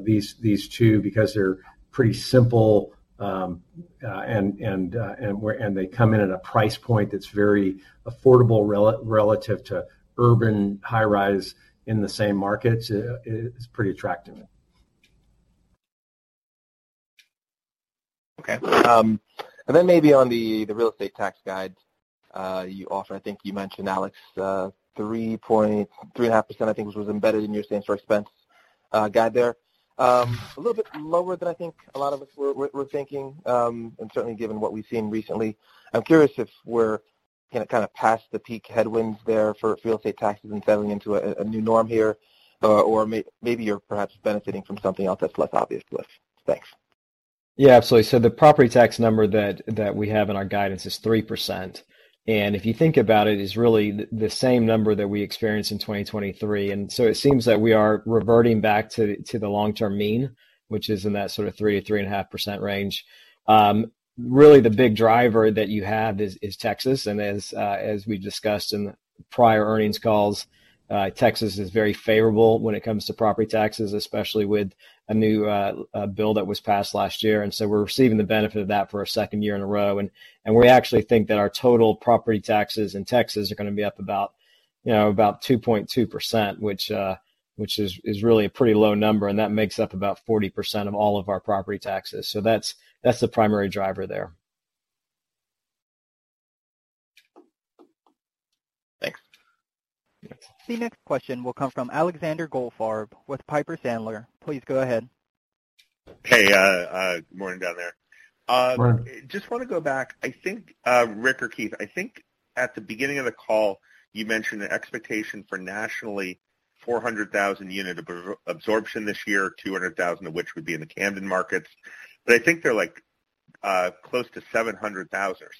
these two, because they're pretty simple, and they come in at a price point that's very affordable relative to urban high-rise in the same markets, it's pretty attractive. Okay. And then maybe on the real estate tax guide you offer, I think you mentioned, Alex, 3.5%, I think, was embedded in your same store expense guide there. A little bit lower than I think a lot of us were thinking, and certainly given what we've seen recently. I'm curious if we're, you know, kind of past the peak headwinds there for real estate taxes and settling into a new norm here, or maybe you're perhaps benefiting from something else that's less obvious to us. Thanks. Yeah, absolutely. So the property tax number that we have in our guidance is 3%, and if you think about it, it's really the same number that we experienced in 2023. And so it seems that we are reverting back to the long-term mean, which is in that sort of 3%-3.5% range. Really, the big driver that you have is Texas, and as we've discussed in the prior earnings calls, Texas is very favorable when it comes to property taxes, especially with a new bill that was passed last year. And so we're receiving the benefit of that for a second year in a row, and we actually think that our total property taxes in Texas are gonna be up about, you know, about 2.2%, which is really a pretty low number, and that makes up about 40% of all of our property taxes. So that's the primary driver there. Thanks. The next question will come from Alexander Goldfarb with Piper Sandler. Please go ahead. Hey, good morning down there. Good morning. Just wanna go back, I think, Ric or Keith, I think at the beginning of the call, you mentioned the expectation for nationally 400,000 unit absorption this year, 200,000 of which would be in the Camden markets. But I think they're like, close to 700,000 or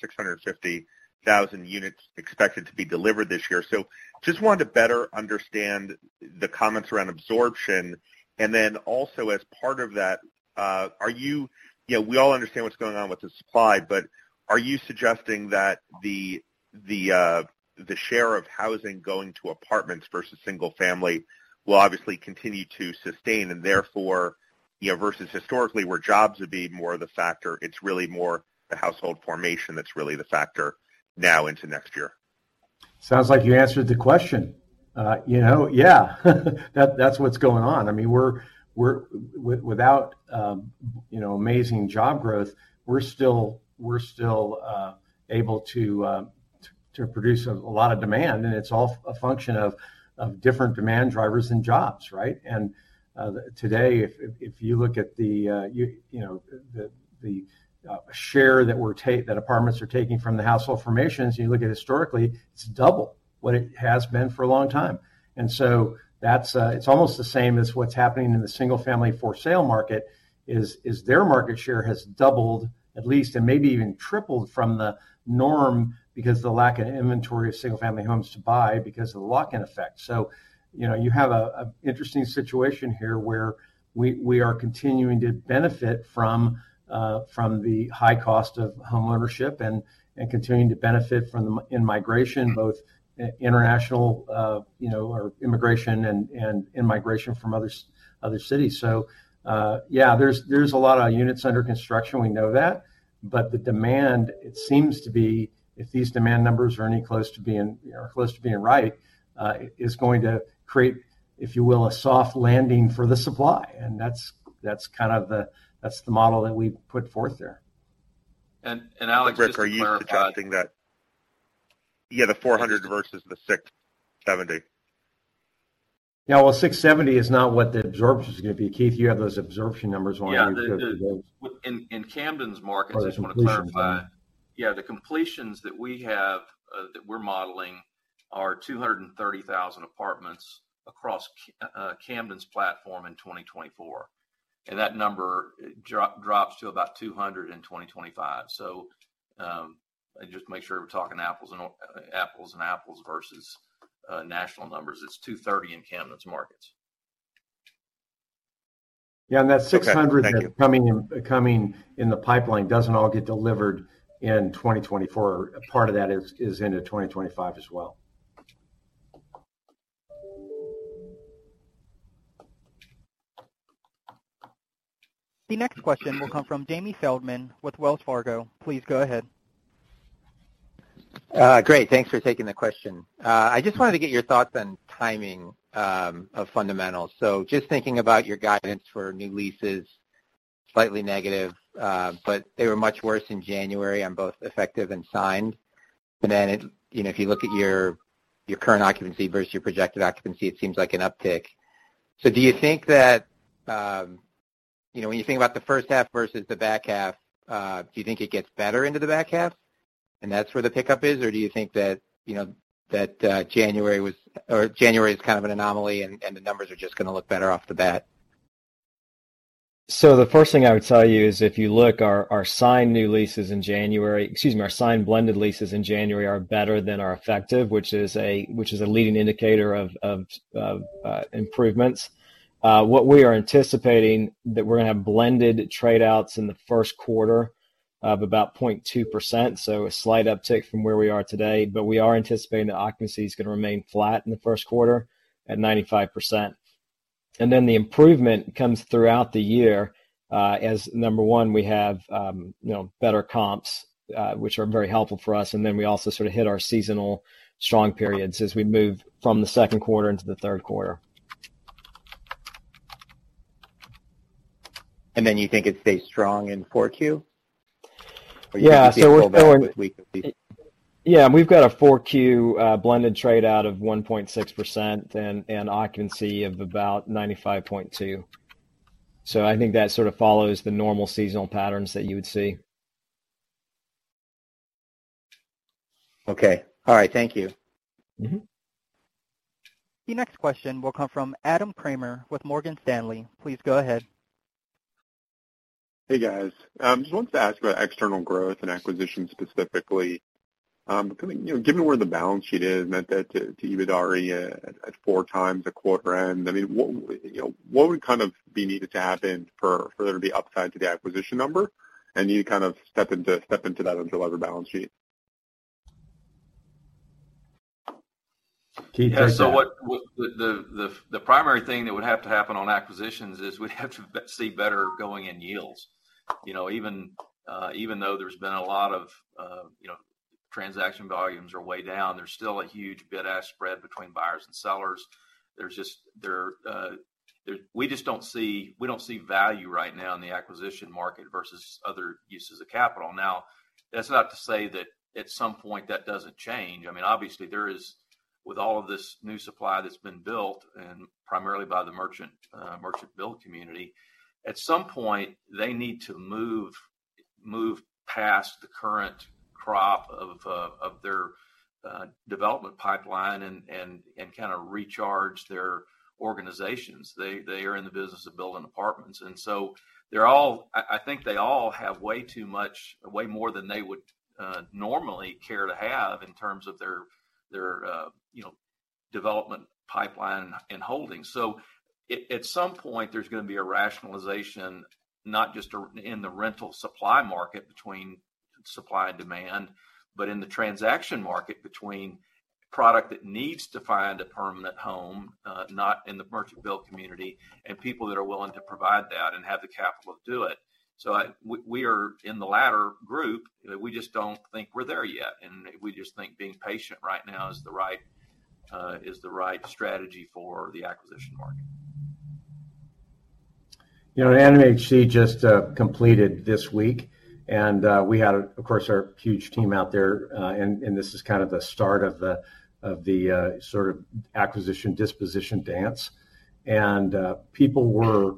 650,000 units expected to be delivered this year. So just wanted to better understand the comments around absorption. And then also, as part of that, are you... You know, we all understand what's going on with the supply, but are you suggesting that the share of housing going to apartments versus single family will obviously continue to sustain and therefore, you know, versus historically, where jobs would be more of the factor, it's really more the household formation that's really the factor now into next year? Sounds like you answered the question. You know, yeah, that, that's what's going on. I mean, we're without, you know, amazing job growth, we're still able to produce a lot of demand, and it's all a function of different demand drivers than jobs, right? Today, if you look at, you know, the share that apartments are taking from the household formations, you look at historically, it's double what it has been for a long time. So that's, it's almost the same as what's happening in the single-family for sale market, is their market share has doubled at least, and maybe even tripled from the norm because of the lack of inventory of single-family homes to buy, because of the lock-in effect. So, you know, you have an interesting situation here where we are continuing to benefit from the high cost of homeownership and continuing to benefit from the in-migration, both international, you know, or immigration and in-migration from other cities. So, yeah, there's a lot of units under construction, we know that. But the demand, it seems to be, if these demand numbers are any close to being, you know, close to being right, is going to create, if you will, a soft landing for the supply. And that's kind of the model that we put forth there.... Alex, just to clarify- Are you suggesting that, yeah, the 400 versus the 670? Yeah, well, 670 is not what the absorption is going to be. Keith, you have those absorption numbers on you, those- Yeah. In Camden's markets, I just want to clarify. Yeah, the completions. Yeah, the completions that we have that we're modeling are 230,000 apartments across Camden's platform in 2024, and that number drops to about 200 in 2025. So, I just make sure we're talking apples to apples versus national numbers. It's 230 in Camden's markets. Yeah, and that 600- Okay. Thank you. Coming in the pipeline doesn't all get delivered in 2024. Part of that is into 2025 as well. The next question will come from Jamie Feldman with Wells Fargo. Please go ahead. Great. Thanks for taking the question. I just wanted to get your thoughts on timing of fundamentals. So just thinking about your guidance for new leases, slightly negative, but they were much worse in January on both effective and signed. But then, it, you know, if you look at your, your current occupancy versus your projected occupancy, it seems like an uptick. So do you think that, you know, when you think about the first half versus the back half, do you think it gets better into the back half, and that's where the pickup is? Or do you think that, you know, that, January was... or January is kind of an anomaly, and, and the numbers are just going to look better off the bat? So the first thing I would tell you is, if you look, our signed new leases in January, excuse me, our signed blended leases in January are better than our effective, which is a leading indicator of improvements. What we are anticipating, that we're going to have blended tradeouts in the first quarter of about 0.2%, so a slight uptick from where we are today. But we are anticipating that occupancy is going to remain flat in the first quarter at 95%. And then, the improvement comes throughout the year, as number one, we have, you know, better comps, which are very helpful for us, and then we also sort of hit our seasonal strong periods as we move from the second quarter into the third quarter. And then, you think it stays strong in Q4? Yeah. Or you think it'll fall back with weakness? Yeah, we've got a 4Q blended rate of 1.6% and occupancy of about 95.2. So I think that sort of follows the normal seasonal patterns that you would see. Okay. All right, thank you. The next question will come from Adam Kramer with Morgan Stanley. Please go ahead. Hey, guys. Just wanted to ask about external growth and acquisition specifically. Kind of, you know, given where the balance sheet is, net debt to EBITDA at 4x at quarter end, I mean, what, you know, what would kind of be needed to happen for there to be upside to the acquisition number, and you to kind of step into that unlevered balance sheet? Keith, go ahead. Yeah, so what. The primary thing that would have to happen on acquisitions is we'd have to see better going in yields. You know, even though there's been a lot of, you know, transaction volumes are way down, there's still a huge bid-ask spread between buyers and sellers. There's just. We just don't see value right now in the acquisition market versus other uses of capital. Now, that's not to say that at some point, that doesn't change. I mean, obviously, there is, with all of this new supply that's been built, and primarily by the merchant builder community, at some point, they need to move past the current crop of their development pipeline and kind of recharge their organizations. They are in the business of building apartments, and so they're all. I think they all have way too much, way more than they would normally care to have in terms of their you know, development pipeline and holdings. So at some point, there's going to be a rationalization, not just in the rental supply market between supply and demand, but in the transaction market between product that needs to find a permanent home, not in the merchant builder community, and people that are willing to provide that and have the capital to do it. So we are in the latter group. We just don't think we're there yet, and we just think being patient right now is the right strategy for the acquisition market. You know, NMHC just completed this week, and we had, of course, our huge team out there, and this is kind of the start of the sort of acquisition, disposition dance. And people were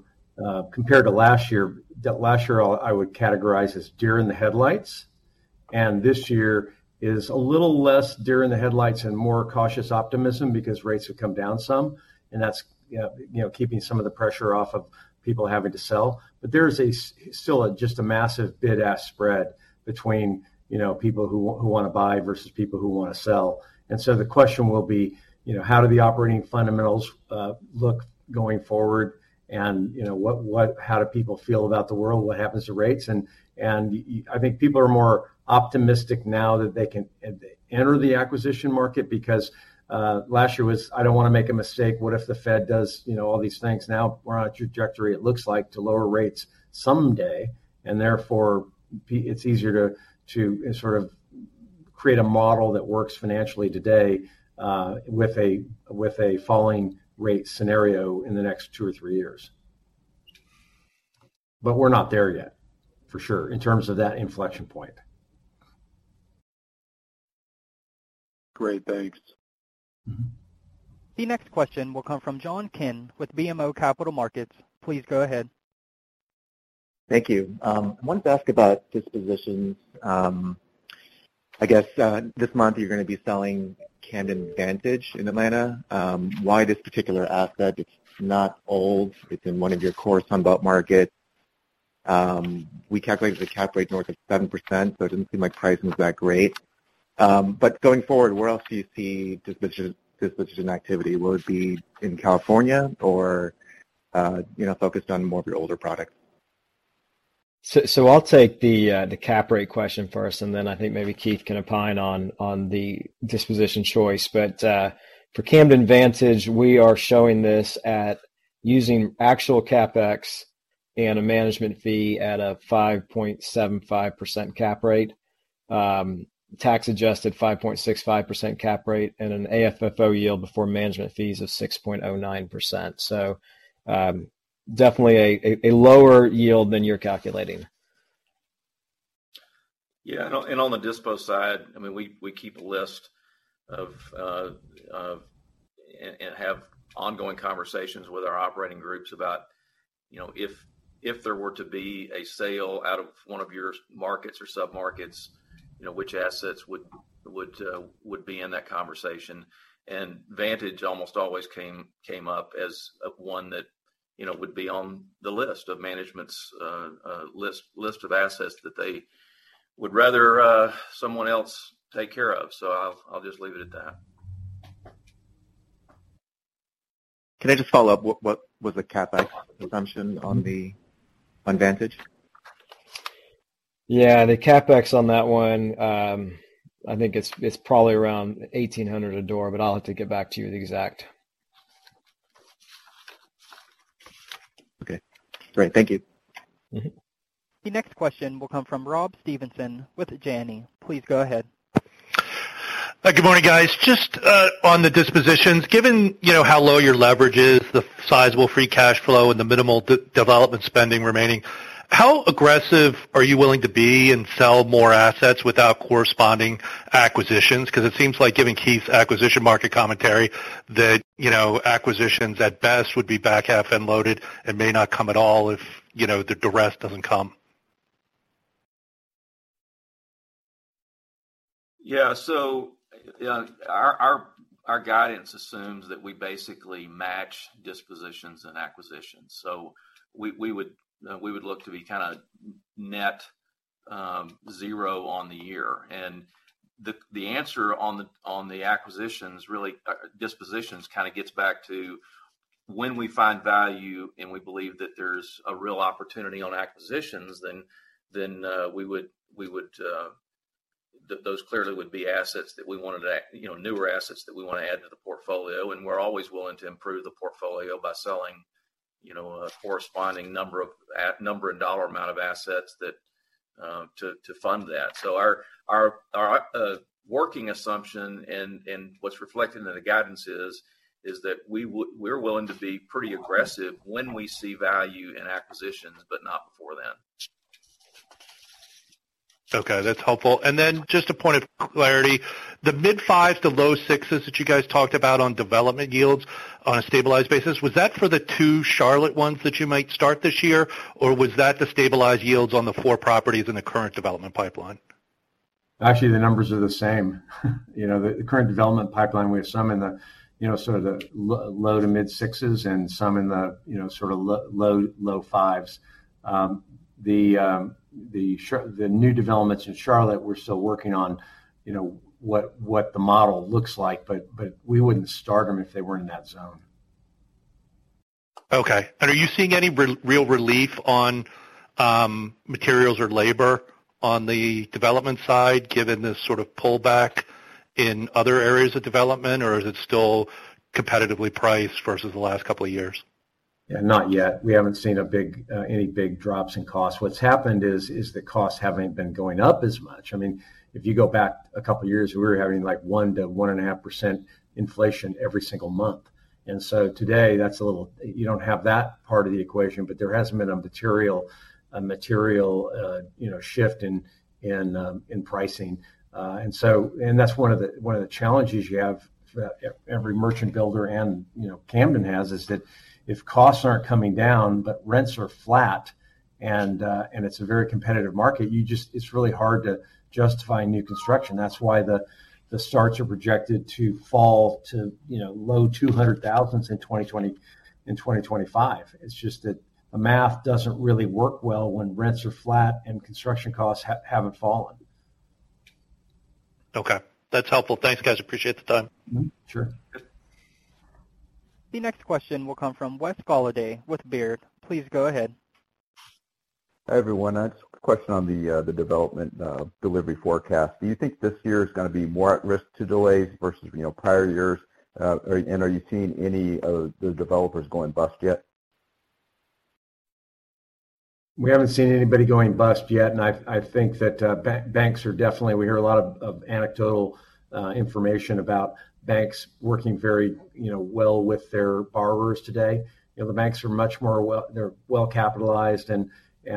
compared to last year, the last year, I would categorize as deer in the headlights, and this year is a little less deer in the headlights and more cautious optimism because rates have come down some, and that's you know, keeping some of the pressure off of people having to sell. But there is still a just a massive bid-ask spread between, you know, people who want to buy versus people who want to sell. And so the question will be, you know, how do the operating fundamentals look going forward? You know, what, how do people feel about the world? What happens to rates? I think people are more optimistic now that they can enter the acquisition market because last year was, "I don't want to make a mistake. What if the Fed does, you know, all these things?" Now, we're on a trajectory, it looks like, to lower rates someday, and therefore, it's easier to sort of create a model that works financially today with a falling rate scenario in the next two or three years. But we're not there yet, for sure, in terms of that inflection point. Great, thanks. The next question will come from John Kim with BMO Capital Markets. Please go ahead. Thank you. I wanted to ask about dispositions. I guess this month you're gonna be selling Camden Vantage in Atlanta. Why this particular asset? It's not old, it's in one of your core Sun Belt markets. We calculated the cap rate north of 7%, so it didn't seem like pricing was that great. But going forward, where else do you see disposition, disposition activity? Will it be in California or, you know, focused on more of your older products? I'll take the cap rate question first, and then I think maybe Keith can opine on the disposition choice. But for Camden Vantage, we are showing this at using actual CapEx and a management fee at a 5.75% cap rate. Tax-adjusted 5.65% cap rate, and an AFFO yield before management fees of 6.09%. Definitely a lower yield than you're calculating. Yeah, and on the dispo side, I mean, we keep a list of and have ongoing conversations with our operating groups about, you know, if there were to be a sale out of one of your markets or submarkets, you know, which assets would be in that conversation. And Vantage almost always came up as one that, you know, would be on the list of management's list of assets that they would rather someone else take care of. So I'll just leave it at that. Can I just follow up? What was the CapEx assumption on the... On Vantage? Yeah, the CapEx on that one, I think it's probably around $1,800 a door, but I'll have to get back to you with the exact. Okay, great. Thank you. The next question will come from Rob Stevenson with Janney. Please go ahead. Good morning, guys. Just on the dispositions, given, you know, how low your leverage is, the sizable free cash flow and the minimal redevelopment spending remaining, how aggressive are you willing to be and sell more assets without corresponding acquisitions? Because it seems like, given Keith's acquisition market commentary, that, you know, acquisitions at best would be back half end loaded and may not come at all if, you know, the duress doesn't come. Yeah, so, our, our, our guidance assumes that we basically match dispositions and acquisitions. So we, we would, we would look to be kinda net, zero on the year. And the, the answer on the, on the acquisitions, really, dispositions, kind of gets back to when we find value and we believe that there's a real opportunity on acquisitions, then, then, we would, we would... Those clearly would be assets that we wanted to add, you know, newer assets that we want to add to the portfolio. And we're always willing to improve the portfolio by selling, you know, a corresponding number of number and dollar amount of assets that, to, to fund that. So our working assumption, and what's reflected in the guidance is that we're willing to be pretty aggressive when we see value in acquisitions, but not before then. Okay, that's helpful. And then just a point of clarity: the mid-5s to low-6s that you guys talked about on development yields on a stabilized basis, was that for the two Charlotte ones that you might start this year? Or was that the stabilized yields on the four properties in the current development pipeline? Actually, the numbers are the same. You know, the current development pipeline, we have some in the, you know, sort of the low to mid sixes and some in the, you know, sort of low, low fives. The new developments in Charlotte, we're still working on, you know, what the model looks like, but we wouldn't start them if they weren't in that zone. Okay. Are you seeing any real relief on materials or labor on the development side, given this sort of pullback in other areas of development? Or is it still competitively priced versus the last couple of years? Yeah, not yet. We haven't seen a big, any big drops in costs. What's happened is the costs haven't been going up as much. I mean, if you go back a couple of years, we were having, like, 1%-1.5% inflation every single month. And so today, that's a little... You don't have that part of the equation, but there hasn't been a material, you know, shift in pricing. And so-- and that's one of the challenges you have, every merchant builder and, you know, Camden has, is that if costs aren't coming down but rents are flat and it's a very competitive market, you just- it's really hard to justify new construction. That's why the starts are projected to fall to, you know, low 200,000s in 2025. It's just that the math doesn't really work well when rents are flat and construction costs haven't fallen. Okay. That's helpful. Thanks, guys, appreciate the time. Sure. The next question will come from Wes Golladay with Baird. Please go ahead. Hi, everyone. I just have a question on the development delivery forecast. Do you think this year is gonna be more at risk to delays versus, you know, prior years? And are you seeing any of the developers going bust yet? We haven't seen anybody going bust yet, and I think that banks are definitely—we hear a lot of anecdotal information about banks working very, you know, well with their borrowers today. You know, the banks are much more well—they're well-capitalized, and you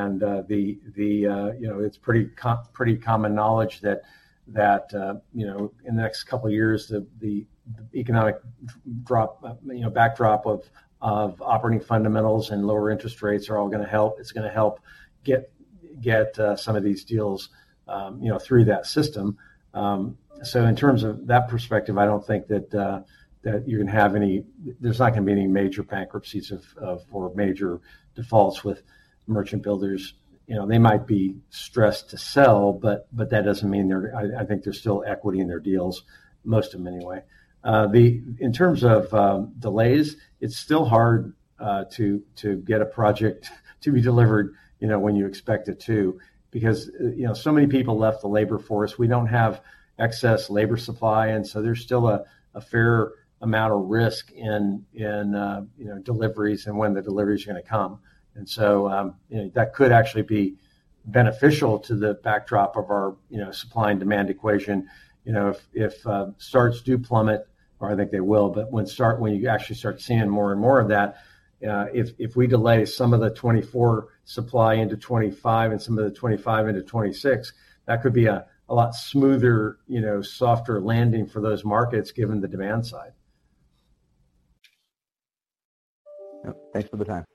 know, it's pretty common knowledge that you know, in the next couple of years, the economic drop, you know, backdrop of operating fundamentals and lower interest rates are all gonna help. It's gonna help get some of these deals, you know, through that system. So in terms of that perspective, I don't think that you're gonna have any... There's not gonna be any major bankruptcies of or major defaults with merchant builders. You know, they might be stressed to sell, but that doesn't mean they're. I think there's still equity in their deals, most of them anyway. In terms of delays, it's still hard to get a project to be delivered, you know, when you expect it to, because, you know, so many people left the labor force. We don't have excess labor supply, and so there's still a fair amount of risk in, you know, deliveries and when the delivery is gonna come. And so, you know, that could actually be beneficial to the backdrop of our, you know, supply and demand equation. You know, if starts do plummet, or I think they will, but when you actually start seeing more and more of that, if we delay some of the 2024 supply into 2025 and some of the 2025 into 2026, that could be a lot smoother, you know, softer landing for those markets, given the demand side. Yep. Thanks for the time.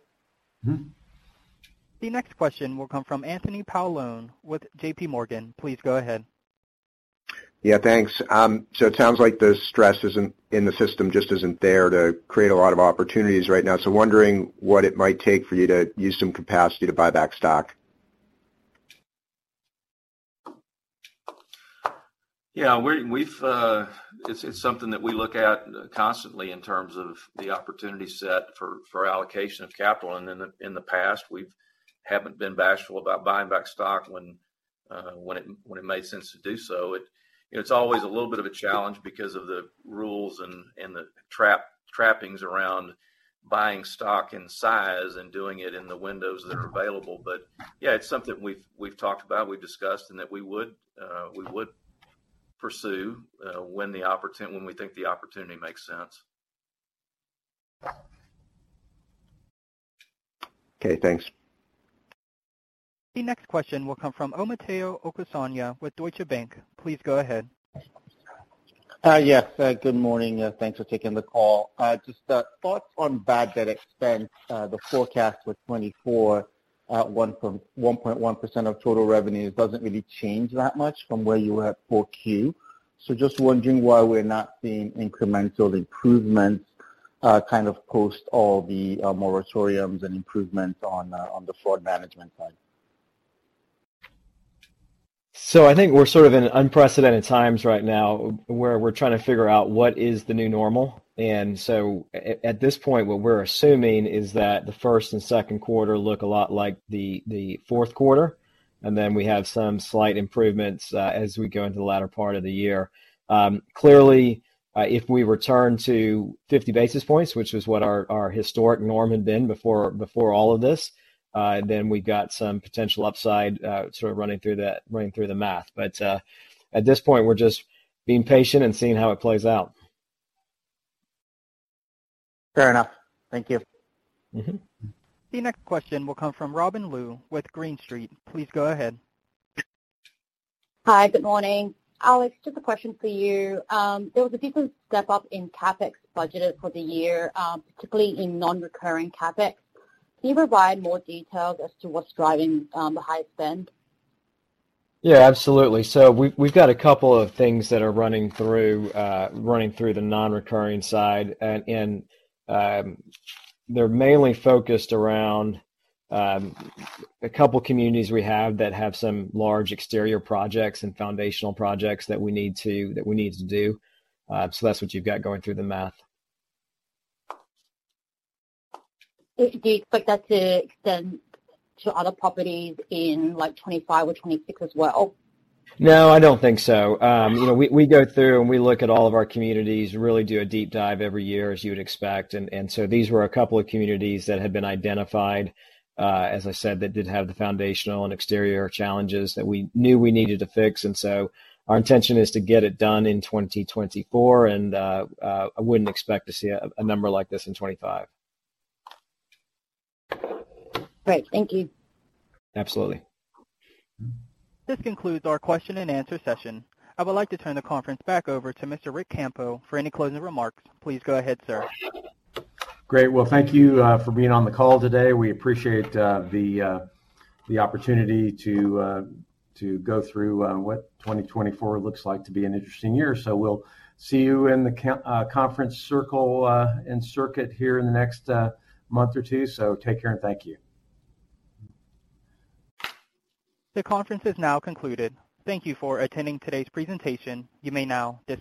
The next question will come from Anthony Paolone with JPMorgan. Please go ahead. Yeah, thanks. So it sounds like the stress isn't in the system, just isn't there to create a lot of opportunities right now. So wondering what it might take for you to use some capacity to buy back stock? Yeah, we've... It's something that we look at constantly in terms of the opportunity set for allocation of capital. And in the past, we haven't been bashful about buying back stock when it made sense to do so. It, you know, it's always a little bit of a challenge because of the rules and the trappings around buying stock in size and doing it in the windows that are available. But yeah, it's something we've talked about, we've discussed, and that we would pursue when we think the opportunity makes sense. Okay, thanks. The next question will come from Omotayo Okusanya with Deutsche Bank. Please go ahead. Yes. Good morning, thanks for taking the call. Just thoughts on bad debt expense. The forecast for 2024, 1.1% of total revenue doesn't really change that much from where you were at for Q. So just wondering why we're not seeing incremental improvements, kind of post all the moratoriums and improvements on the fraud management side. So I think we're sort of in unprecedented times right now, where we're trying to figure out what is the new normal. And so at this point, what we're assuming is that the first and second quarter look a lot like the fourth quarter, and then we have some slight improvements as we go into the latter part of the year. Clearly, if we return to 50 basis points, which is what our historic norm had been before all of this, then we've got some potential upside sort of running through that, running through the math. But at this point, we're just being patient and seeing how it plays out. Fair enough. Thank you. The next question will come from Robin Lu with Green Street. Please go ahead. Hi, good morning. Alex, just a question for you. There was a decent step up in CapEx budgeted for the year, particularly in non-recurring CapEx. Can you provide more details as to what's driving the high spend? Yeah, absolutely. So we've got a couple of things that are running through, running through the non-recurring side, and they're mainly focused around a couple communities we have that have some large exterior projects and foundational projects that we need to do. So that's what you've got going through the math. Do you expect that to extend to other properties in, like, 2025 or 2026 as well? No, I don't think so. You know, we go through and we look at all of our communities, really do a deep dive every year, as you would expect. And so these were a couple of communities that had been identified, as I said, that did have the foundational and exterior challenges that we knew we needed to fix. And so our intention is to get it done in 2024, and I wouldn't expect to see a number like this in 2025. Great. Thank you. Absolutely. This concludes our question-and-answer session. I would like to turn the conference back over to Mr. Ric Campo for any closing remarks. Please go ahead, sir. Great. Well, thank you for being on the call today. We appreciate the opportunity to go through what 2024 looks like to be an interesting year. So we'll see you in the conference circuit here in the next month or two. So take care, and thank you. The conference is now concluded. Thank you for attending today's presentation. You may now disconnect.